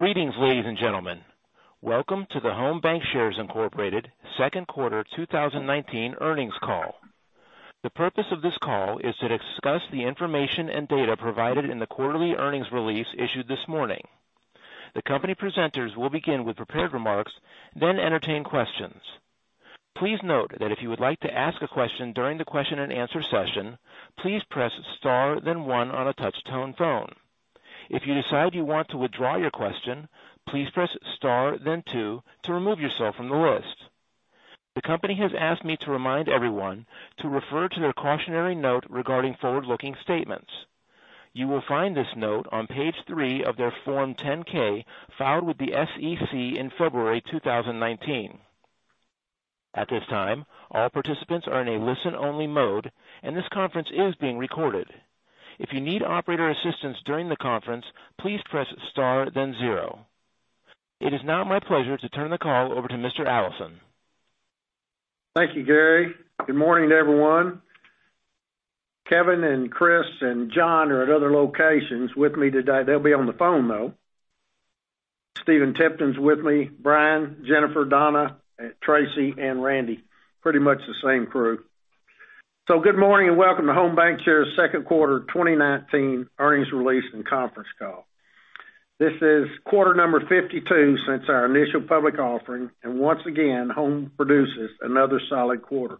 Greetings, ladies and gentlemen. Welcome to the Home BancShares, Inc. second quarter 2019 earnings call. The purpose of this call is to discuss the information and data provided in the quarterly earnings release issued this morning. The company presenters will begin with prepared remarks, then entertain questions. Please note that if you would like to ask a question during the question and answer session, please press Star, then one on a touch-tone phone. If you decide you want to withdraw your question, please press Star, then two to remove yourself from the list. The company has asked me to remind everyone to refer to their cautionary note regarding forward-looking statements. You will find this note on page three of their Form 10-K filed with the SEC in February 2019. At this time, all participants are in a listen-only mode, and this conference is being recorded. If you need operator assistance during the conference, please press Star then zero. It is now my pleasure to turn the call over to Mr. Allison. Thank you, Gary. Good morning to everyone. Kevin and Chris and John are at other locations with me today. They'll be on the phone, though. Stephen Tipton's with me, Brian, Jennifer, Donna, Tracy, and Randy. Pretty much the same crew. Good morning and welcome to Home Bancshares' second quarter 2019 earnings release and conference call. This is quarter number 52 since our initial public offering, and once again, Home produces another solid quarter.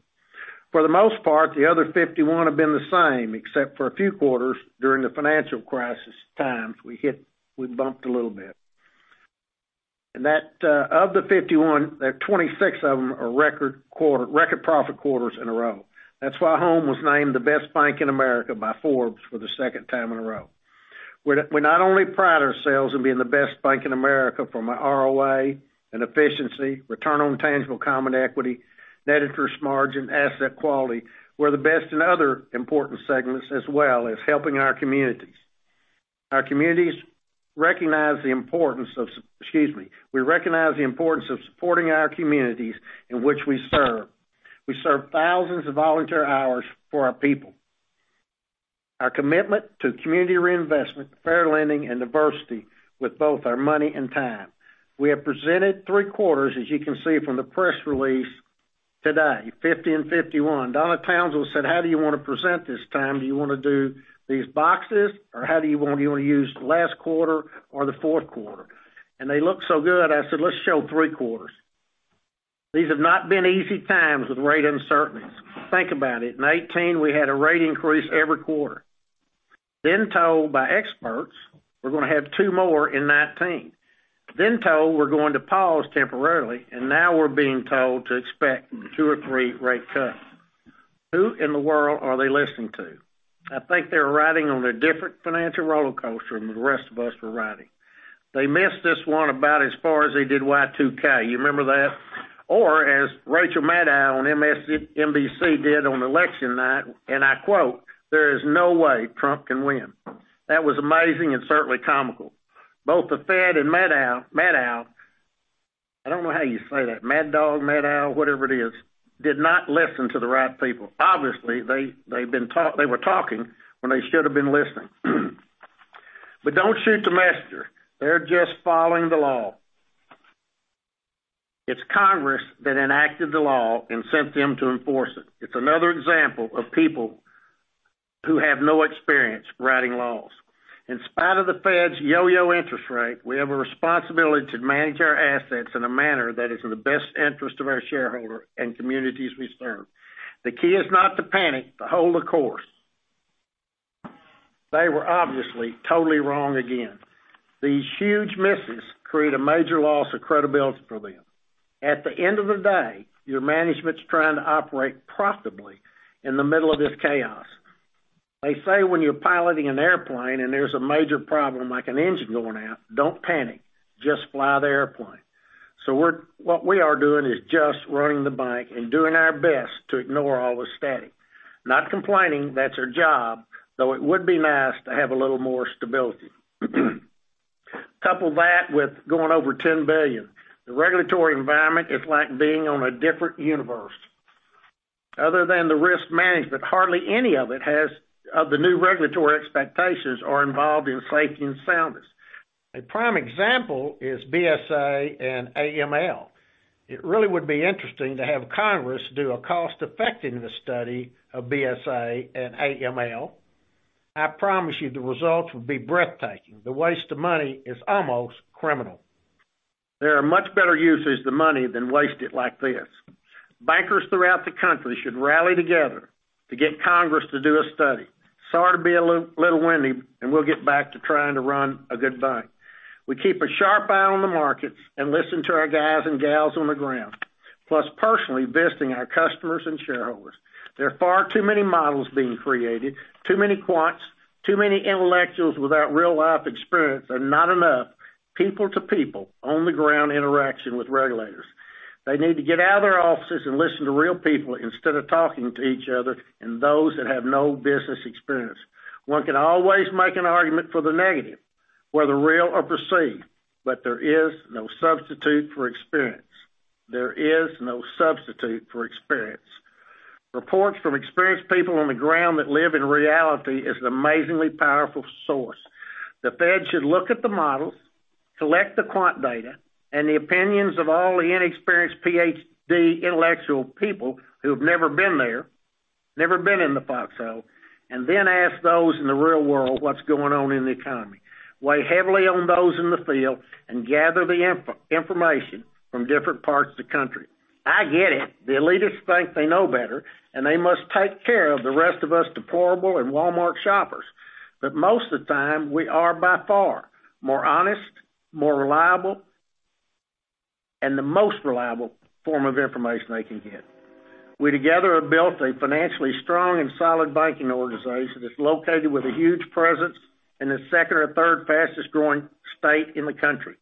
For the most part, the other 51 have been the same, except for a few quarters during the financial crisis times, we bumped a little bit. Of the 51, 26 of them are record profit quarters in a row. That's why Home was named the best bank in America by Forbes for the second time in a row. We not only pride ourselves in being the best bank in America from an ROA and efficiency, return on tangible common equity, net interest margin, asset quality. We're the best in other important segments as well as helping our communities. We recognize the importance of supporting our communities in which we serve. We serve thousands of volunteer hours for our people. Our commitment to community reinvestment, fair lending, and diversity with both our money and time. We have presented three quarters, as you can see from the press release today, 50 and 51. Donna Townsell said, "How do you want to present this time? Do you want to do these boxes, or do you want to use the last quarter or the fourth quarter?" They look so good, I said, "Let's show three quarters." These have not been easy times with rate uncertainties. Think about it. In 2018, we had a rate increase every quarter. Told by experts we're going to have two more in 2019. Told we're going to pause temporarily, now we're being told to expect two or three rate cuts. Who in the world are they listening to? I think they're riding on a different financial rollercoaster than the rest of us were riding. They missed this one about as far as they did Y2K. You remember that? Or as Rachel Maddow on MSNBC did on election night, I quote, "There is no way Trump can win." That was amazing and certainly comical. Both the Fed and Maddow, I don't know how you say that, Mad Dog, Maddow, whatever it is, did not listen to the right people. Obviously, they were talking when they should have been listening. Don't shoot the messenger. They're just following the law. It's Congress that enacted the law and sent them to enforce it. It's another example of people who have no experience writing laws. In spite of the Fed's yo-yo interest rate, we have a responsibility to manage our assets in a manner that is in the best interest of our shareholder and communities we serve. The key is not to panic, but hold the course. They were obviously totally wrong again. These huge misses create a major loss of credibility for them. At the end of the day, your management's trying to operate profitably in the middle of this chaos. They say when you're piloting an airplane and there's a major problem like an engine going out, don't panic. Just fly the airplane. What we are doing is just running the bank and doing our best to ignore all the static. Not complaining, that's our job, though it would be nice to have a little more stability. Couple that with going over $10 billion. The regulatory environment is like being on a different universe. Other than the risk management, hardly any of the new regulatory expectations are involved in safety and soundness. A prime example is BSA and AML. It really would be interesting to have Congress do a cost-effectiveness study of BSA and AML. I promise you the results would be breathtaking. The waste of money is almost criminal. There are much better uses of the money than waste it like this. Bankers throughout the country should rally together to get Congress to do a study. Sorry to be a little windy, we'll get back to trying to run a good bank. We keep a sharp eye on the markets and listen to our guys and gals on the ground, plus personally visiting our customers and shareholders. There are far too many models being created, too many quants, too many intellectuals without real-life experience, not enough people-to-people on-the-ground interaction with regulators. They need to get out of their offices and listen to real people instead of talking to each other and those that have no business experience. One can always make an argument for the negative, whether real or perceived, there is no substitute for experience. There is no substitute for experience. Reports from experienced people on the ground that live in reality is an amazingly powerful source. The Fed should look at the models, collect the quant data, and the opinions of all the inexperienced PhD intellectual people who have never been there, never been in the foxhole, and then ask those in the real world what's going on in the economy. Weigh heavily on those in the field and gather the information from different parts of the country. I get it. The elitists think they know better, and they must take care of the rest of us, deplorable and Walmart shoppers. Most of the time, we are by far more honest, more reliable, and the most reliable form of information they can get. We together have built a financially strong and solid banking organization that's located with a huge presence in the second or third fastest-growing state in the country.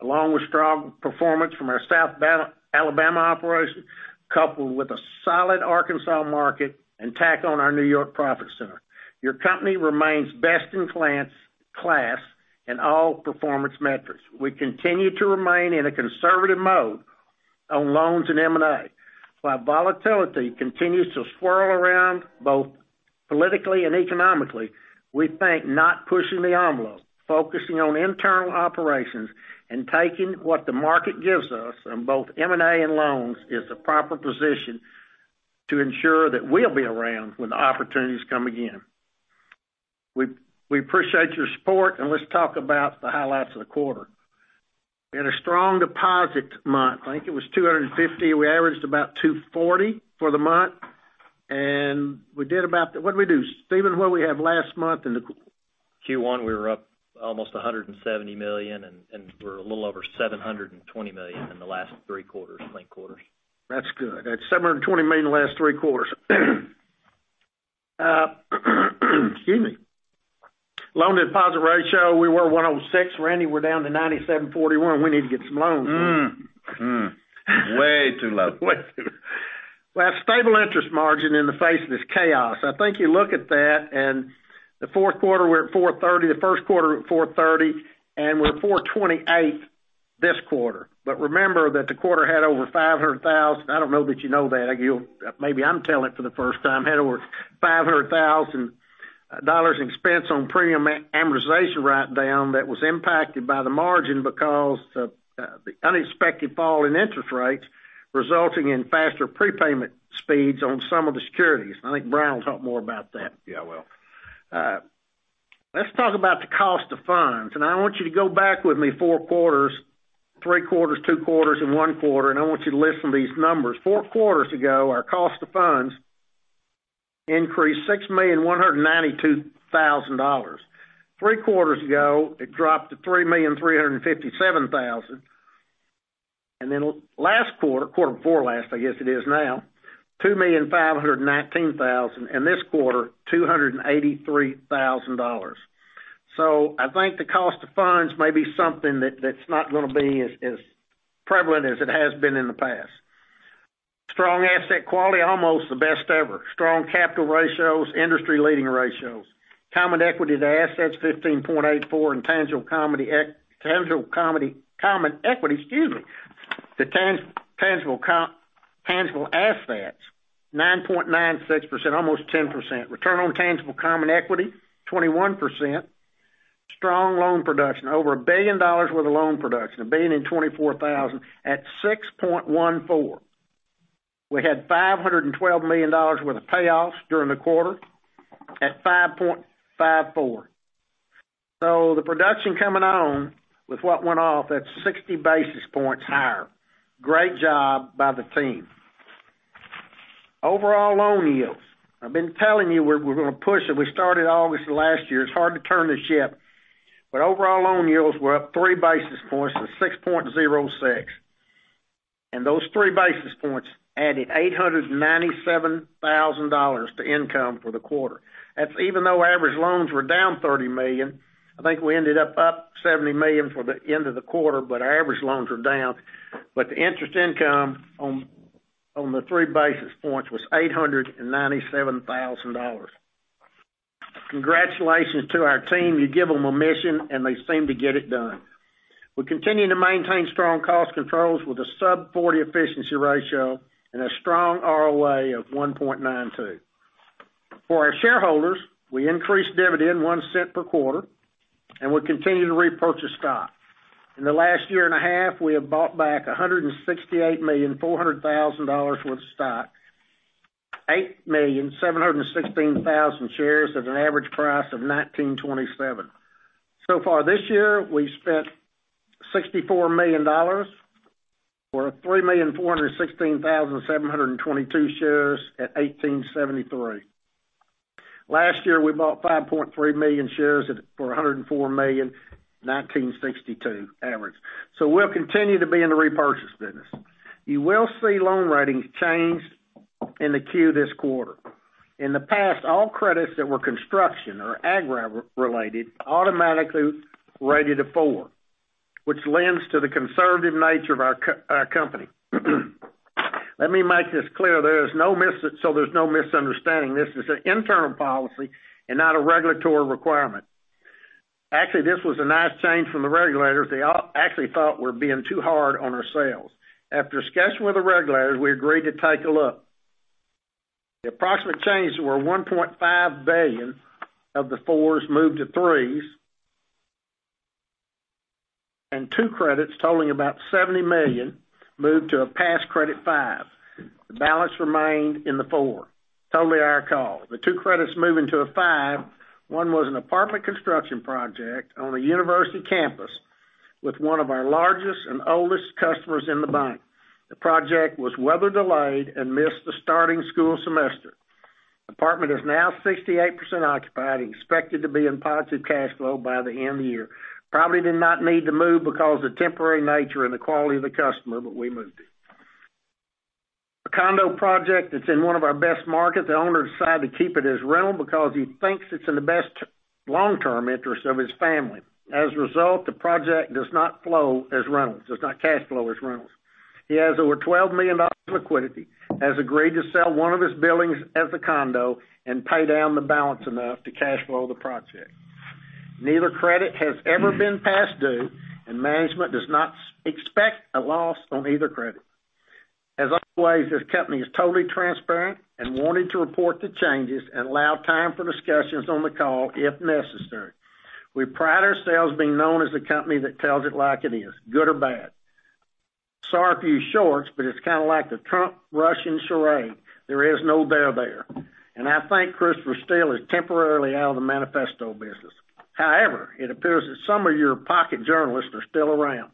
Along with strong performance from our South Alabama operation, coupled with a solid Arkansas market, tack on our New York profit center. Your company remains best in class in all performance metrics. We continue to remain in a conservative mode on loans and M&A. While volatility continues to swirl around both politically and economically, we think not pushing the envelope, focusing on internal operations, and taking what the market gives us on both M&A and loans is a proper position to ensure that we'll be around when the opportunities come again. We appreciate your support. Let's talk about the highlights of the quarter. We had a strong deposit month. I think it was $250 million. We averaged about $240 million for the month. What did we do? Stephen, what did we have last month in the- Q1, we were up almost $170 million. We're a little over $720 million in the last three quarters, I think. That's good. That's $720 million the last three quarters. Excuse me. Loan-to-deposit ratio, we were 106%. Randy, we're down to 97.41%. We need to get some loans. Way too low. We have stable interest margin in the face of this chaos. I think you look at that, the fourth quarter, we're at $430,000 the first quarter we're at $430,000 and we're at $428,000 this quarter. Remember that the quarter had over $500,000. I don't know that you know that. Maybe I'm telling it for the first time. Had over $500,000 in expense on premium amortization write-down that was impacted by the margin because of the unexpected fall in interest rates, resulting in faster prepayment speeds on some of the securities. I think Brian will talk more about that. Yeah, I will. Let's talk about the cost of funds. I want you to go back with me four quarters, three quarters, two quarters, and one quarter, and I want you to listen to these numbers. Four quarters ago, our cost of funds increased to $6,192,000. Three quarters ago, it dropped to $3,357,000. Last quarter before last, I guess it is now, $2,519,000, and this quarter, $283,000. I think the cost of funds may be something that's not going to be as prevalent as it has been in the past. Strong asset quality, almost the best ever. Strong capital ratios, industry-leading ratios. Common equity to assets, 15.84%, and tangible common equity to tangible assets, 9.96%, almost 10%. Return on tangible common equity, 21%. Strong loan production, over $1 billion worth of loan production. $1,000,024,000 at 6.14%. We had $512 million worth of payoffs during the quarter at 5.54%. The production coming on with what went off, that's 60 basis points higher. Great job by the team. Overall loan yields. I've been telling you we're going to push, and we started August of last year. It's hard to turn the ship, but overall loan yields were up three basis points to 6.06%. And those three basis points added $897,000 to income for the quarter. Even though average loans were down $30 million, I think we ended up up $70 million for the end of the quarter, but our average loans were down. The interest income on the three basis points was $897,000. Congratulations to our team. You give them a mission, and they seem to get it done. We continue to maintain strong cost controls with a sub 40 efficiency ratio and a strong ROA of 1.92%. For our shareholders, we increased dividend $0.01 per quarter, and we continue to repurchase stock. In the last year and a half, we have bought back $168,400,000 worth of stock, 8,716,000 shares at an average price of $19.27. So far this year, we've spent $64 million for 3,416,722 shares at $18.73. Last year, we bought 5.3 million shares for $104 million, $19.62 average. We'll continue to be in the repurchase business. You will see loan ratings change in the queue this quarter. In the past, all credits that were construction or agg related automatically rated a four, which lends to the conservative nature of our company. Let me make this clear so there's no misunderstanding. This is an internal policy and not a regulatory requirement. Actually, this was a nice change from the regulators. They actually thought we're being too hard on our sales. After discussing with the regulators, we agreed to take a look. The approximate changes were $1.5 billion of the fours moved to threes, and two credits totaling about $70 million moved to a pass credit five. The balance remained in the four, totally our call. The two credits move into a five. One was an apartment construction project on a university campus with one of our largest and oldest customers in the bank. The project was weather delayed and missed the starting school semester. The apartment is now 68% occupied and expected to be in positive cash flow by the end of the year. Probably did not need to move because of the temporary nature and the quality of the customer, but we moved it. A condo project that's in one of our best markets, the owner decided to keep it as rental because he thinks it's in the best long-term interest of his family. As a result, the project does not cash flow as rentals. He has over $12 million of liquidity, has agreed to sell one of his buildings as a condo, and pay down the balance enough to cash flow the project. Neither credit has ever been past due, and management does not expect a loss on either credit. As always, this company is totally transparent and wanted to report the changes and allow time for discussions on the call if necessary. We pride ourselves being known as the company that tells it like it is, good or bad. Sorry, few shorts, it's kind of like the Trump Russian charade. There is no bear there. I think Christopher Steele is temporarily out of the manifesto business. However, it appears that some of your pocket journalists are still around.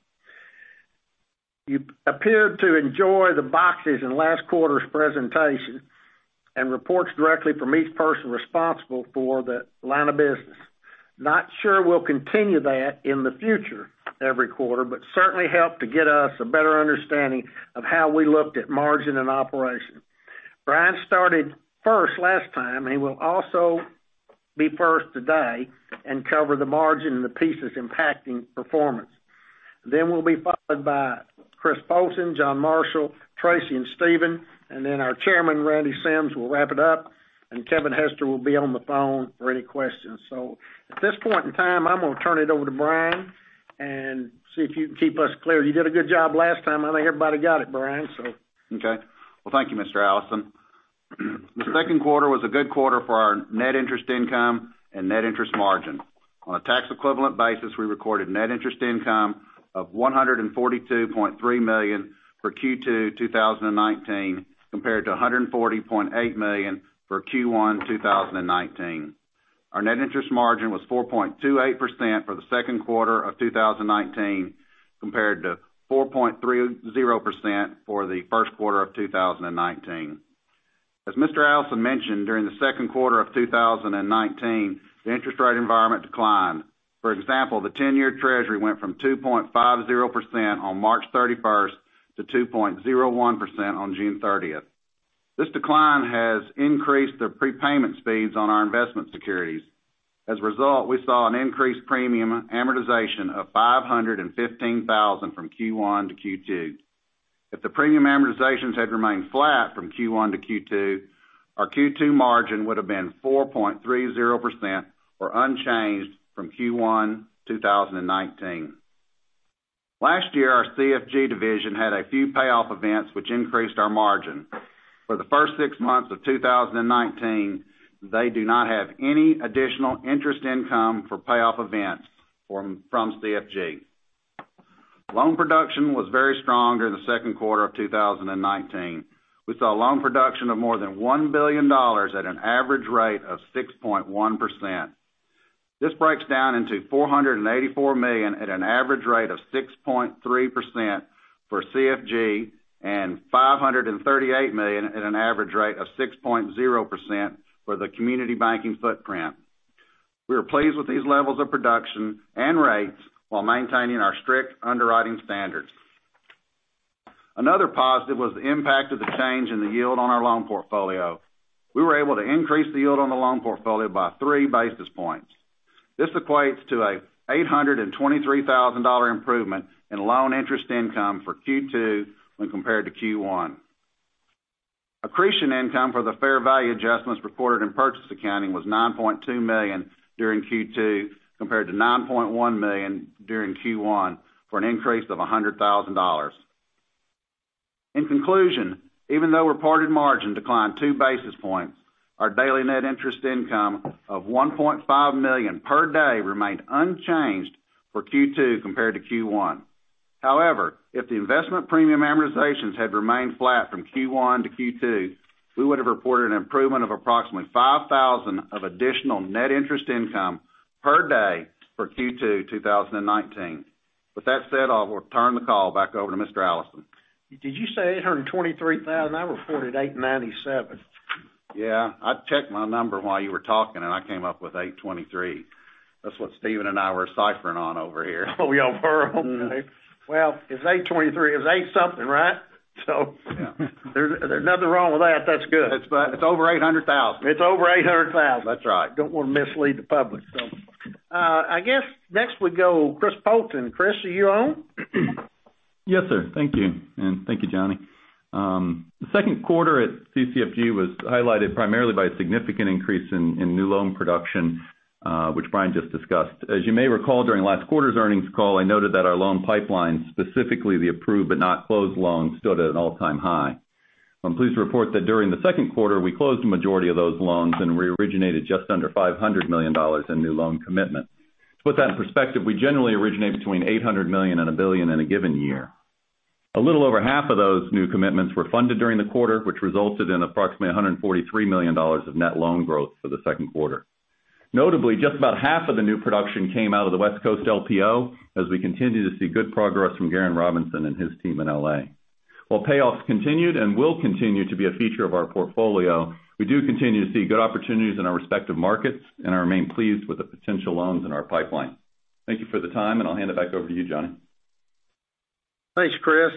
You appeared to enjoy the boxes in last quarter's presentation, and reports directly from each person responsible for the line of business. Not sure we'll continue that in the future every quarter, but certainly helped to get us a better understanding of how we looked at margin and operation. Brian started first last time. He will also be first today and cover the margin and the pieces impacting performance. We'll be followed by Chris Poulton, John Marshall, Tracy, and Stephen, and then our chairman, Randy Sims, will wrap it up, and Kevin Hester will be on the phone for any questions. At this point in time, I'm going to turn it over to Brian and see if you can keep us clear. You did a good job last time. I think everybody got it, Brian. Okay. Well, thank you, Mr. Allison. The second quarter was a good quarter for our net interest income and net interest margin. On a tax equivalent basis, we recorded net interest income of $142.3 million for Q2 2019 compared to $140.8 million for Q1 2019. Our net interest margin was 4.28% for the second quarter of 2019 compared to 4.30% for the first quarter of 2019. As Mr. Allison mentioned, during the second quarter of 2019, the interest rate environment declined. For example, the 10-year Treasury went from 2.50% on March 31st to 2.01% on June 30th. This decline has increased the prepayment speeds on our investment securities. As a result, we saw an increased premium amortization of $515,000 from Q1 to Q2. If the premium amortizations had remained flat from Q1 to Q2, our Q2 margin would have been 4.30%, or unchanged from Q1 2019. Last year, our CFG division had a few payoff events, which increased our margin. For the first six months of 2019, they do not have any additional interest income for payoff events from CFG. Loan production was very strong during the second quarter of 2019. We saw loan production of more than $1 billion at an average rate of 6.1%. This breaks down into $484 million at an average rate of 6.3% for CFG and $538 million at an average rate of 6.0% for the community banking footprint. We are pleased with these levels of production and rates while maintaining our strict underwriting standards. Another positive was the impact of the change in the yield on our loan portfolio. We were able to increase the yield on the loan portfolio by three basis points. This equates to a $823,000 improvement in loan interest income for Q2 when compared to Q1. Accretion income for the fair value adjustments reported in purchase accounting was $9.2 million during Q2 compared to $9.1 million during Q1, for an increase of $100,000. In conclusion, even though reported margin declined two basis points, our daily net interest income of $1.5 million per day remained unchanged for Q2 compared to Q1. However, if the investment premium amortizations had remained flat from Q1 to Q2, we would have reported an improvement of approximately $5,000 of additional net interest income per day for Q2 2019. With that said, I will turn the call back over to Mr. Allison. Did you say $823,000? I reported $897,000. Yeah, I checked my number while you were talking, and I came up with $823,000. That's what Stephen and I were ciphering on over here. Oh, y'all were, okay. Well, it's $823,000. It's eight something, right? Yeah. There's nothing wrong with that. That's good. It's over $800,000. It's over $800,000. That's right. Don't want to mislead the public. I guess next we go Chris Poulton. Chris, are you on? Yes, sir. Thank you, and thank you, Johnny. The second quarter at CCFG was highlighted primarily by a significant increase in new loan production, which Brian just discussed. As you may recall, during last quarter's earnings call, I noted that our loan pipeline, specifically the approved but not closed loans, stood at an all-time high. I'm pleased to report that during the second quarter, we closed the majority of those loans and we originated just under $500 million in new loan commitments. To put that in perspective, we generally originate between $800 million and $1 billion in a given year. A little over half of those new commitments were funded during the quarter, which resulted in approximately $143 million of net loan growth for the second quarter. Notably, just about half of the new production came out of the West Coast LPO, as we continue to see good progress from Garen Robinson and his team in L.A. While payoffs continued and will continue to be a feature of our portfolio, we do continue to see good opportunities in our respective markets and remain pleased with the potential loans in our pipeline. Thank you for the time, and I'll hand it back over to you, Johnny. Thanks, Chris.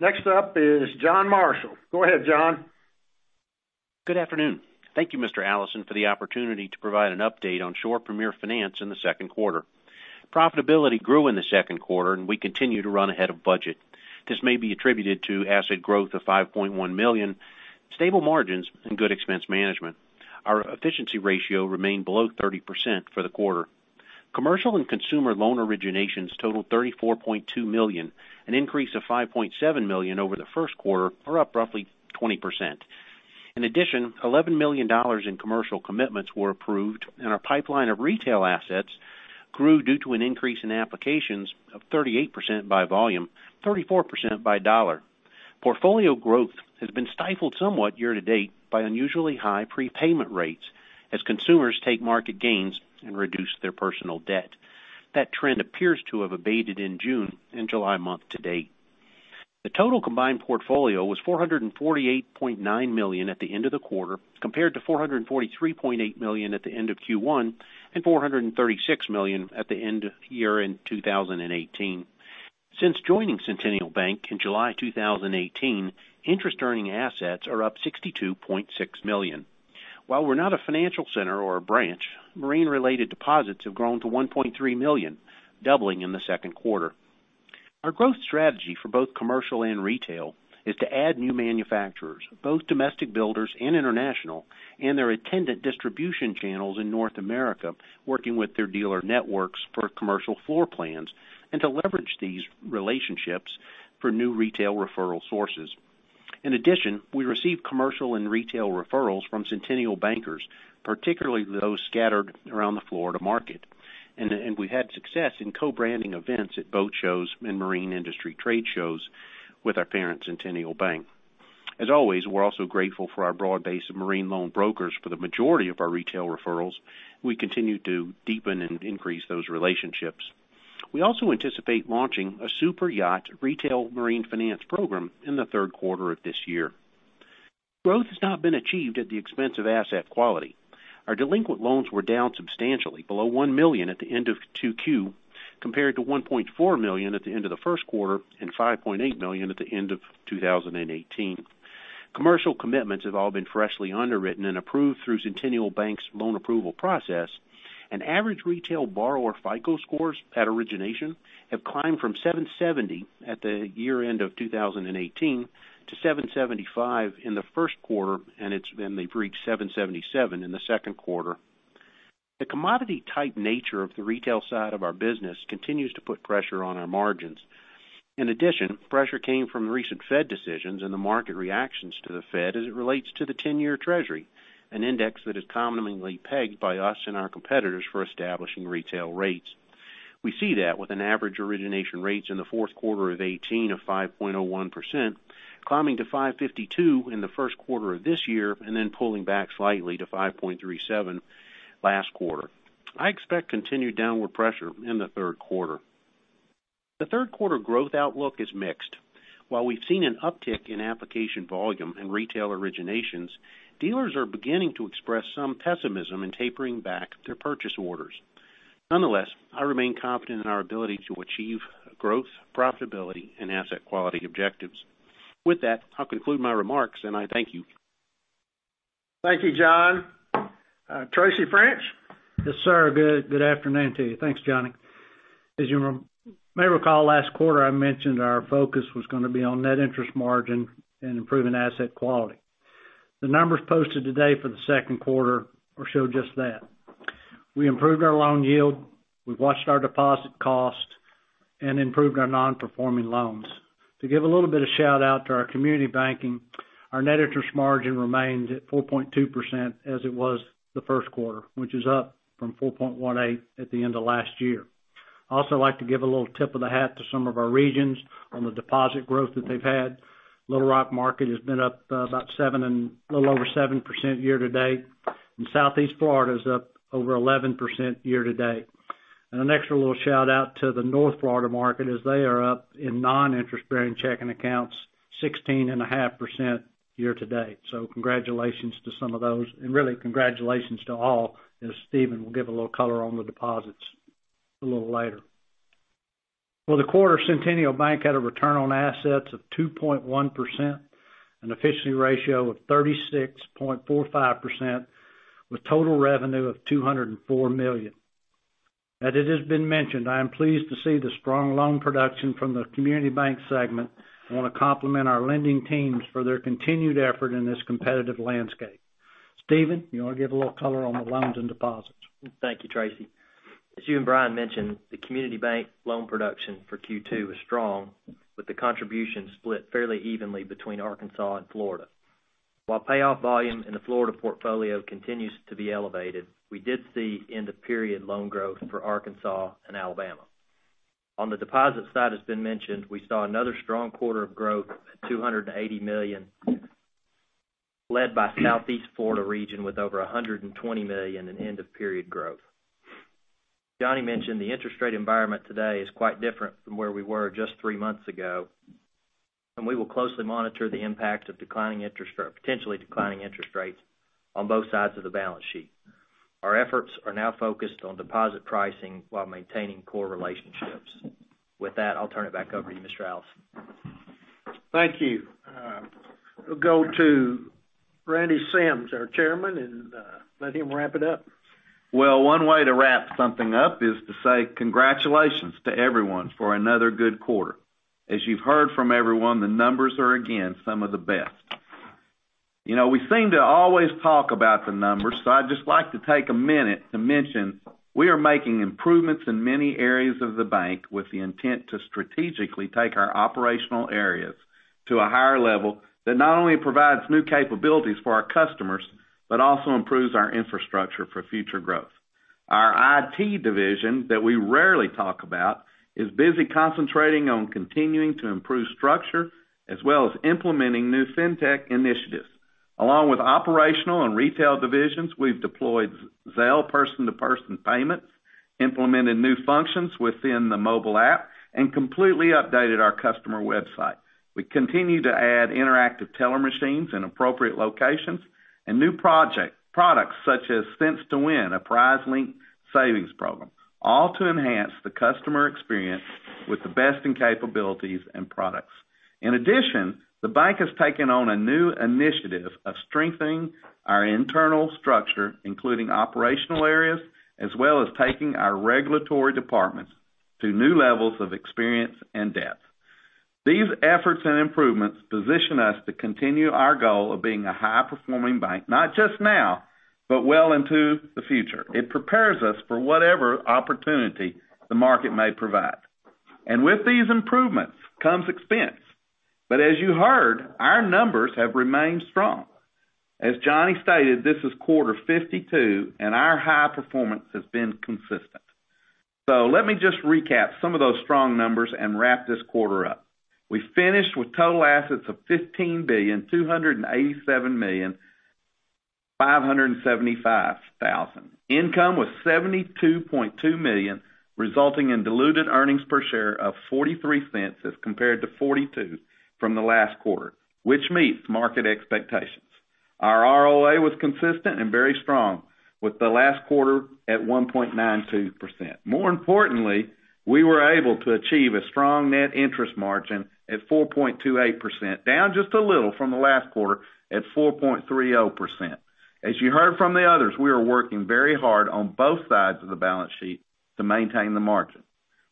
Next up is John Marshall. Go ahead, John. Good afternoon. Thank you, Mr. Allison, for the opportunity to provide an update on Shore Premier Finance in the second quarter. Profitability grew in the second quarter. We continue to run ahead of budget. This may be attributed to asset growth of $5.1 million, stable margins, and good expense management. Our efficiency ratio remained below 30% for the quarter. Commercial and consumer loan originations totaled $34.2 million, an increase of $5.7 million over the first quarter, or up roughly 20%. In addition, $11 million in commercial commitments were approved. Our pipeline of retail assets grew due to an increase in applications of 38% by volume, 34% by dollar. Portfolio growth has been stifled somewhat year to date by unusually high prepayment rates as consumers take market gains and reduce their personal debt. That trend appears to have abated in June and July month to date. The total combined portfolio was $448.9 million at the end of the quarter, compared to $443.8 million at the end of Q1, and $436 million at the end of year end 2018. Since joining Centennial Bank in July 2018, interest earning assets are up $62.6 million. While we're not a financial center or a branch, marine related deposits have grown to $1.3 million, doubling in the second quarter. Our growth strategy for both commercial and retail is to add new manufacturers, both domestic builders and international, and their attendant distribution channels in North America, working with their dealer networks per commercial floor plans, and to leverage these relationships for new retail referral sources. In addition, we receive commercial and retail referrals from Centennial bankers, particularly those scattered around the Florida market. We've had success in co-branding events at boat shows and marine industry trade shows with our parent, Centennial Bank. As always, we're also grateful for our broad base of marine loan brokers for the majority of our retail referrals. We continue to deepen and increase those relationships. We also anticipate launching a super yacht retail marine finance program in the third quarter of this year. Growth has not been achieved at the expense of asset quality. Our delinquent loans were down substantially below $1 million at the end of 2Q, compared to $1.4 million at the end of the first quarter and $5.8 million at the end of 2018. Commercial commitments have all been freshly underwritten and approved through Centennial Bank's loan approval process. Average retail borrower FICO scores at origination have climbed from 770 at the year end of 2018 to 775 in the first quarter, and they've reached 777 in the second quarter. The commodity-type nature of the retail side of our business continues to put pressure on our margins. In addition, pressure came from recent Fed decisions and the market reactions to the Fed as it relates to the 10-year Treasury, an index that is commonly pegged by us and our competitors for establishing retail rates. We see that with an average origination rates in the fourth quarter of 2018 of 5.01%, climbing to 5.52% in the first quarter of this year, and then pulling back slightly to 5.37% last quarter. I expect continued downward pressure in the third quarter. The third quarter growth outlook is mixed. While we've seen an uptick in application volume and retail originations, dealers are beginning to express some pessimism and tapering back their purchase orders. Nonetheless, I remain confident in our ability to achieve growth, profitability, and asset quality objectives. With that, I'll conclude my remarks, and I thank you. Thank you, John. Tracy French? Yes, sir. Good afternoon to you. Thanks, Johnny. As you may recall, last quarter, I mentioned our focus was going to be on net interest margin and improving asset quality. The numbers posted today for the second quarter show just that. We improved our loan yield, we've watched our deposit cost, and improved our non-performing loans. To give a little bit of shout-out to our community banking, our net interest margin remains at 4.2% as it was the first quarter, which is up from 4.18% at the end of last year. I'd like to give a little tip of the hat to some of our regions on the deposit growth that they've had. Little Rock market has been up about a little over 7% year to date, and Southeast Florida is up over 11% year to date. An extra little shout-out to the North Florida market, as they are up in non-interest-bearing checking accounts 16.5% year to date. Congratulations to some of those, and really congratulations to all, as Stephen will give a little color on the deposits a little later. For the quarter, Centennial Bank had a return on assets of 2.1%. An efficiency ratio of 36.45% with total revenue of $204 million. As it has been mentioned, I am pleased to see the strong loan production from the community bank segment. I want to compliment our lending teams for their continued effort in this competitive landscape. Stephen, you want to give a little color on the loans and deposits? Thank you, Tracy. As you and Brian mentioned, the community bank loan production for Q2 was strong with the contribution split fairly evenly between Arkansas and Florida. While payoff volume in the Florida portfolio continues to be elevated, we did see end-of-period loan growth for Arkansas and Alabama. On the deposit side, as has been mentioned, we saw another strong quarter of growth at $280 million, led by Southeast Florida region with over $120 million in end-of-period growth. Johnny mentioned the interest rate environment today is quite different from where we were just three months ago, and we will closely monitor the impact of potentially declining interest rates on both sides of the balance sheet. Our efforts are now focused on deposit pricing while maintaining core relationships. With that, I'll turn it back over to you, Mr. Allison. Thank you. We'll go to Randy Sims, our chairman, and let him wrap it up. Well, one way to wrap something up is to say congratulations to everyone for another good quarter. As you've heard from everyone, the numbers are, again, some of the best. We seem to always talk about the numbers, so I'd just like to take a minute to mention we are making improvements in many areas of the bank with the intent to strategically take our operational areas to a higher level that not only provides new capabilities for our customers, but also improves our infrastructure for future growth. Our IT division, that we rarely talk about, is busy concentrating on continuing to improve structure, as well as implementing new fintech initiatives. Along with operational and retail divisions, we've deployed Zelle person-to-person payments, implemented new functions within the mobile app, and completely updated our customer website. We continue to add interactive teller machines in appropriate locations and new products such as Cents to Win, a prize-linked savings program, all to enhance the customer experience with the best in capabilities and products. In addition, the bank has taken on a new initiative of strengthening our internal structure, including operational areas, as well as taking our regulatory departments to new levels of experience and depth. These efforts and improvements position us to continue our goal of being a high-performing bank, not just now, but well into the future. It prepares us for whatever opportunity the market may provide. With these improvements comes expense. As you heard, our numbers have remained strong. As Johnny stated, this is quarter 52, and our high performance has been consistent. Let me just recap some of those strong numbers and wrap this quarter up. We finished with total assets of $15,287,575,000. Income was $72.2 million, resulting in diluted earnings per share of $0.43 as compared to $0.42 from the last quarter, which meets market expectations. Our ROA was consistent and very strong with the last quarter at 1.92%. More importantly, we were able to achieve a strong net interest margin at 4.28%, down just a little from the last quarter at 4.30%. As you heard from the others, we are working very hard on both sides of the balance sheet to maintain the margin.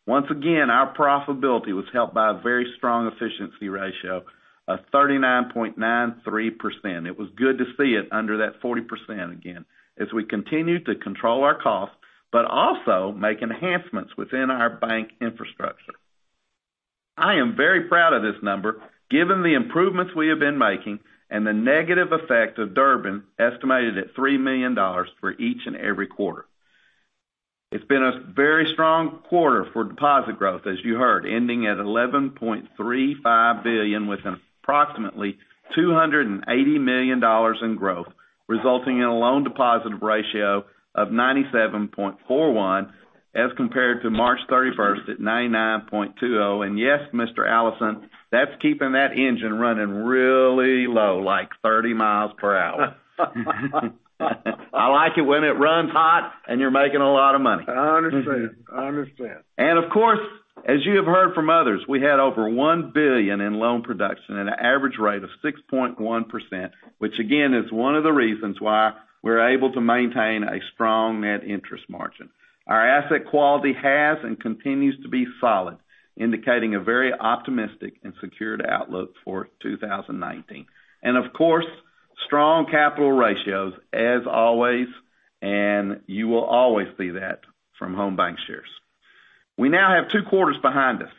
Once again, our profitability was helped by a very strong efficiency ratio of 39.93%. It was good to see it under that 40% again as we continue to control our costs, but also make enhancements within our bank infrastructure. I am very proud of this number given the improvements we have been making and the negative effect of Durbin estimated at $3 million for each and every quarter. It's been a very strong quarter for deposit growth, as you heard, ending at $11.35 billion with approximately $280 million in growth, resulting in a loan-to-deposit ratio of 97.41% as compared to March 31st at 99.20%. Yes, Mr. Allison, that's keeping that engine running really low, like 30 miles per hour. I like it when it runs hot and you're making a lot of money. I understand. Of course, as you have heard from others, we had over $1 billion in loan production at an average rate of 6.1%, which again, is one of the reasons why we're able to maintain a strong net interest margin. Our asset quality has and continues to be solid, indicating a very optimistic and secured outlook for 2019. Of course, strong capital ratios as always, and you will always see that from Home BancShares. We now have two quarters behind us,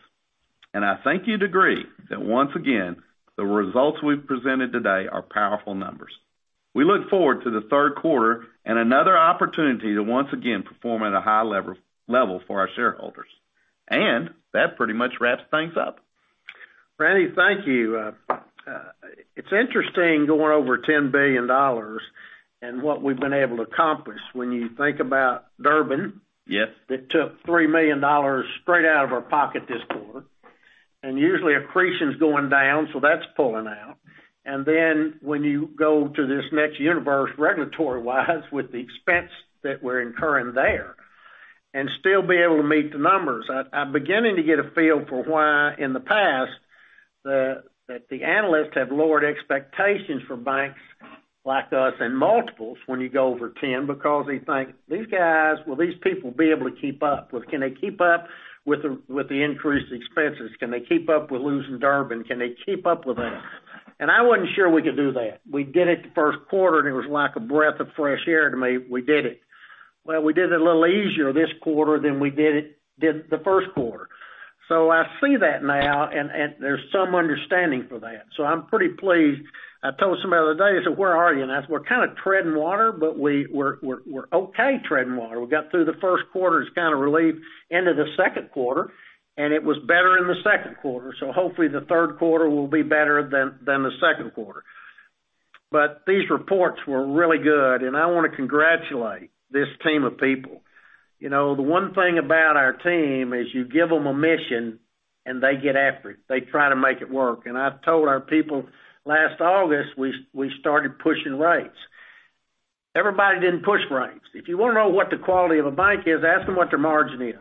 and I think you'd agree that once again, the results we've presented today are powerful numbers. We look forward to the third quarter and another opportunity to, once again, perform at a high level for our shareholders. That pretty much wraps things up. Randy, thank you. It is interesting going over $10 billion and what we have been able to accomplish when you think about Durbin. Yes. It took $3 million straight out of our pocket this quarter. Usually, accretion is going down, so that is pulling out. Then when you go to this next universe, regulatory-wise, with the expense that we are incurring there Still be able to meet the numbers. I am beginning to get a feel for why, in the past, that the analysts have lowered expectations for banks like us in multiples when you go over 10, because they think, "These guys, will these people be able to keep up? Can they keep up with the increased expenses? Can they keep up with losing Durbin? Can they keep up with that?" I was not sure we could do that. We did it the first quarter, and it was like a breath of fresh air to me. We did it. Well, we did it a little easier this quarter than we did the first quarter. I see that now, and there is some understanding for that. I am pretty pleased. I told somebody the other day, they said, "Where are you?" I said, "We are kind of treading water, but we are okay treading water." We got through the first quarter, it is kind of relieved, into the second quarter, and it was better in the second quarter. Hopefully, the third quarter will be better than the second quarter. These reports were really good, and I want to congratulate this team of people. The one thing about our team is you give them a mission, and they get after it. They try to make it work. I told our people last August, we started pushing rates. Everybody did not push rates. If you want to know what the quality of a bank is, ask them what their margin is.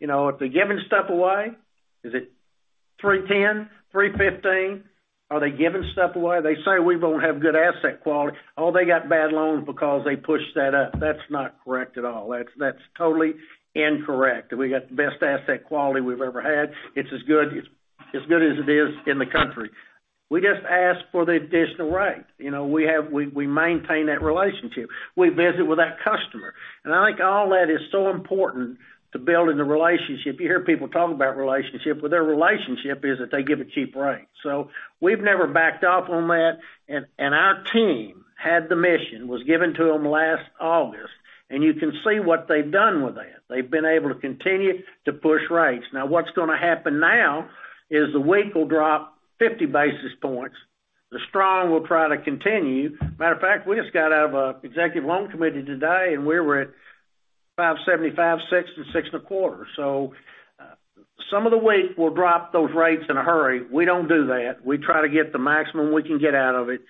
If they are giving stuff away, is it 310, 315? Are they giving stuff away? They say we won't have good asset quality. Oh, they got bad loans because they pushed that up. That's not correct at all. That's totally incorrect. We got the best asset quality we've ever had. It's as good as it is in the country. We just ask for the additional rate. We maintain that relationship. We visit with that customer. I think all that is so important to building the relationship. You hear people talk about relationship, but their relationship is that they give a cheap rate. We've never backed off on that, and our team had the mission, was given to them last August, and you can see what they've done with that. They've been able to continue to push rates. What's going to happen now is the weak will drop 50 basis points. The strong will try to continue. Matter of fact, we just got out of an executive loan committee today, and we were at 5.75, 6, and 6.25. Some of the weak will drop those rates in a hurry. We don't do that. We try to get the maximum we can get out of it.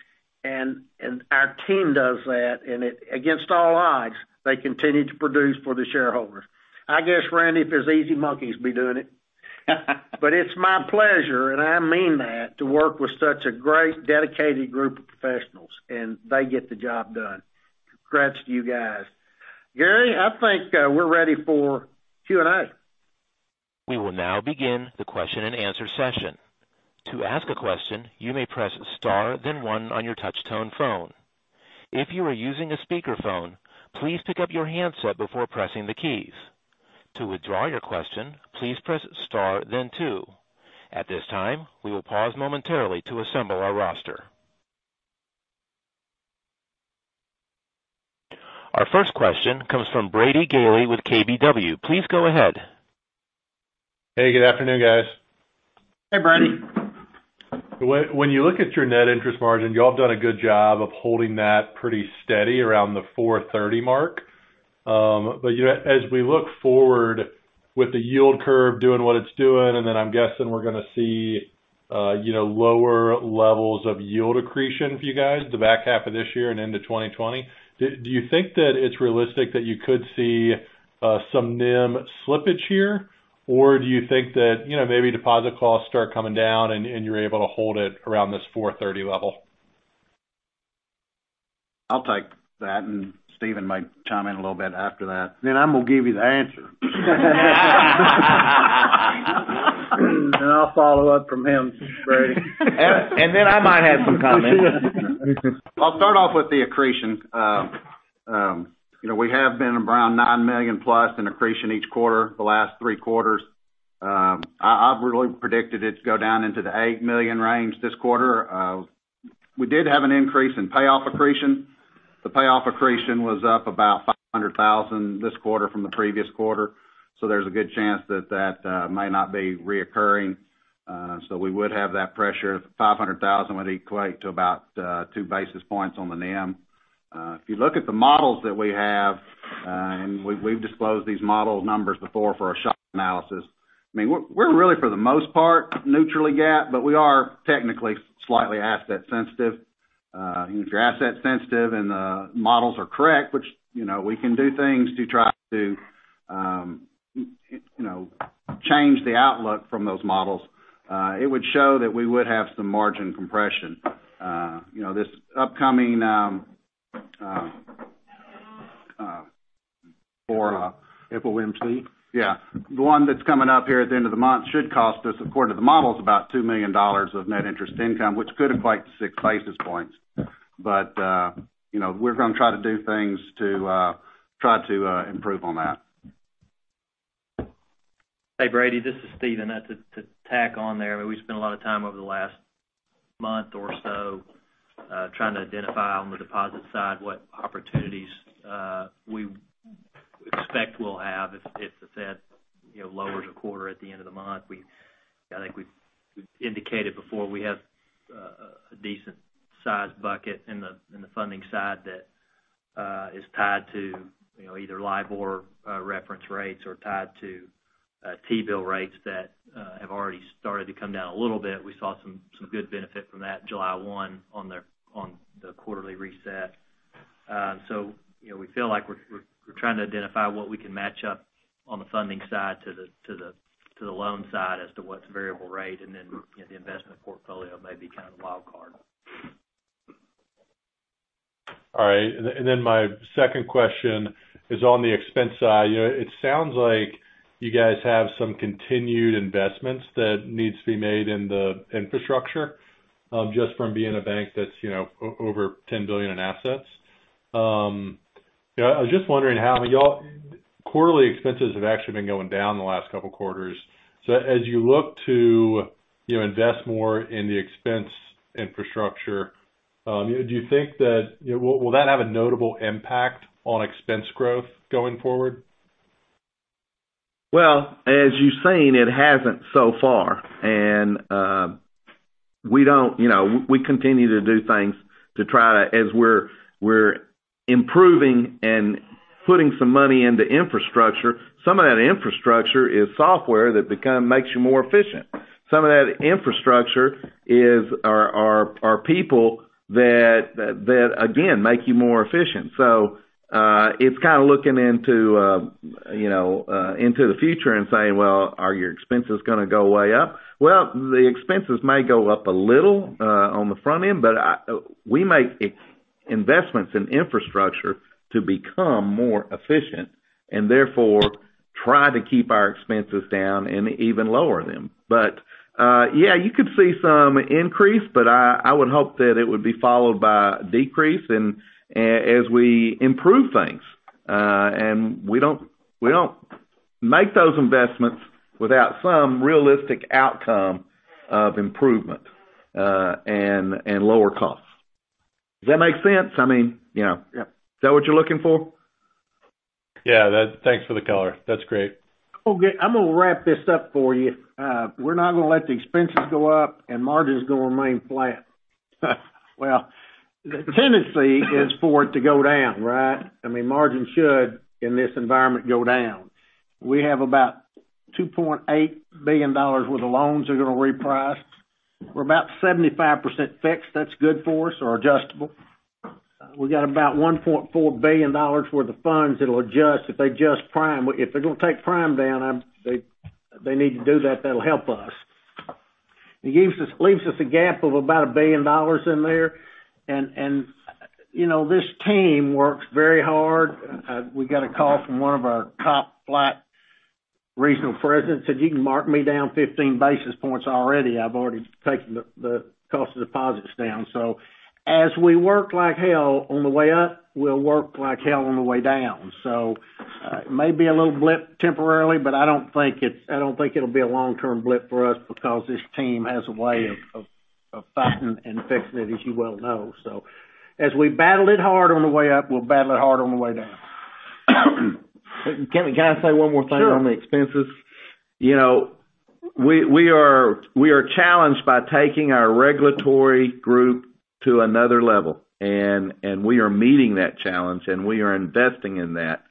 Our team does that, and against all odds, they continue to produce for the shareholders. I guess, Randy, if it was easy, monkeys would be doing it. It's my pleasure, and I mean that, to work with such a great, dedicated group of professionals, and they get the job done. Congrats to you guys. Gary, I think we're ready for Q&A. We will now begin the question and answer session. To ask a question, you may press star then one on your touch tone phone. If you are using a speakerphone, please pick up your handset before pressing the keys. To withdraw your question, please press star then two. At this time, we will pause momentarily to assemble our roster. Our first question comes from Brady Gailey with KBW. Please go ahead. Hey, good afternoon, guys. Hey, Brady. As we look forward with the yield curve doing what it's doing, I'm guessing we're going to see lower levels of yield accretion for you guys the back half of this year and into 2020. Do you think that it's realistic that you could see some NIM slippage here? Do you think that maybe deposit costs start coming down, and you're able to hold it around this 430 level? I'll take that, Stephen might chime in a little bit after that. I'm going to give you the answer. I'll follow up from him, Brady. I might have some comments. I'll start off with the accretion. We have been around $9 million plus in accretion each quarter, the last three quarters. I really predicted it to go down into the $8 million range this quarter. We did have an increase in payoff accretion. The payoff accretion was up about $500,000 this quarter from the previous quarter, there's a good chance that that may not be reoccurring. We would have that pressure. $500,000 would equate to about two basis points on the NIM. If you look at the models that we have, and we've disclosed these model numbers before for a shock analysis. I mean, we're really, for the most part, neutrally gapped, but we are technically slightly asset sensitive. If you're asset sensitive and the models are correct, which we can do things to try to change the outlook from those models, it would show that we would have some margin compression. FOMC Yeah. The one that's coming up here at the end of the month should cost us, according to the models, about $2 million of net interest income, which could equate to six basis points. We're going to try to do things to try to improve on that. Hey, Brady, this is Stephen. To tack on there, we spent a lot of time over the last month or so trying to identify on the deposit side what opportunities we expect we'll have if the Fed lowers a quarter at the end of the month. I think we've indicated before, we have a decent size bucket in the funding side that is tied to either LIBOR reference rates or tied to T-bill rates that have already started to come down a little bit. We saw some good benefit from that July 1 on the quarterly reset. We feel like we're trying to identify what we can match up on the funding side to the loan side as to what's variable rate, and then the investment portfolio may be kind of the wild card. All right. My second question is on the expense side. It sounds like you guys have some continued investments that needs to be made in the infrastructure, just from being a bank that's over 10 billion in assets. I was just wondering how your quarterly expenses have actually been going down the last couple quarters. As you look to invest more in the expense infrastructure, will that have a notable impact on expense growth going forward? Well, as you've seen, it hasn't so far. We continue to do things to try to, as we're improving and putting some money into infrastructure, some of that infrastructure is software that makes you more efficient. Some of that infrastructure are people that, again, make you more efficient. It's kind of looking into the future and saying, well, are your expenses going to go way up? Well, the expenses may go up a little on the front end, but we make investments in infrastructure to become more efficient, and therefore try to keep our expenses down and even lower them. Yeah, you could see some increase, but I would hope that it would be followed by a decrease, and as we improve things. We don't make those investments without some realistic outcome of improvement, and lower costs. Does that make sense? Is that what you're looking for? Yeah. Thanks for the color. That's great. I'm going to wrap this up for you. We're not going to let the expenses go up, and margins going to remain flat. Well, the tendency is for it to go down, right? Margins should, in this environment, go down. We have about $2.8 billion worth of loans that are going to reprice. We're about 75% fixed. That's good for us, or adjustable. We got about $1.4 billion worth of funds that'll adjust if they adjust prime. If they're going to take prime down, they need to do that. That'll help us. It leaves us a gap of about $1 billion in there, and this team works very hard. We got a call from one of our top flight regional presidents, said, "You can mark me down 15 basis points already." I've already taken the cost of deposits down." As we work like hell on the way up, we'll work like hell on the way down. It may be a little blip temporarily, but I don't think it'll be a long-term blip for us because this team has a way of fighting and fixing it, as you well know. As we battle it hard on the way up, we'll battle it hard on the way down. Can I say one more thing on the expenses? We are challenged by taking our regulatory group to another level, and we are meeting that challenge, and we are investing in that.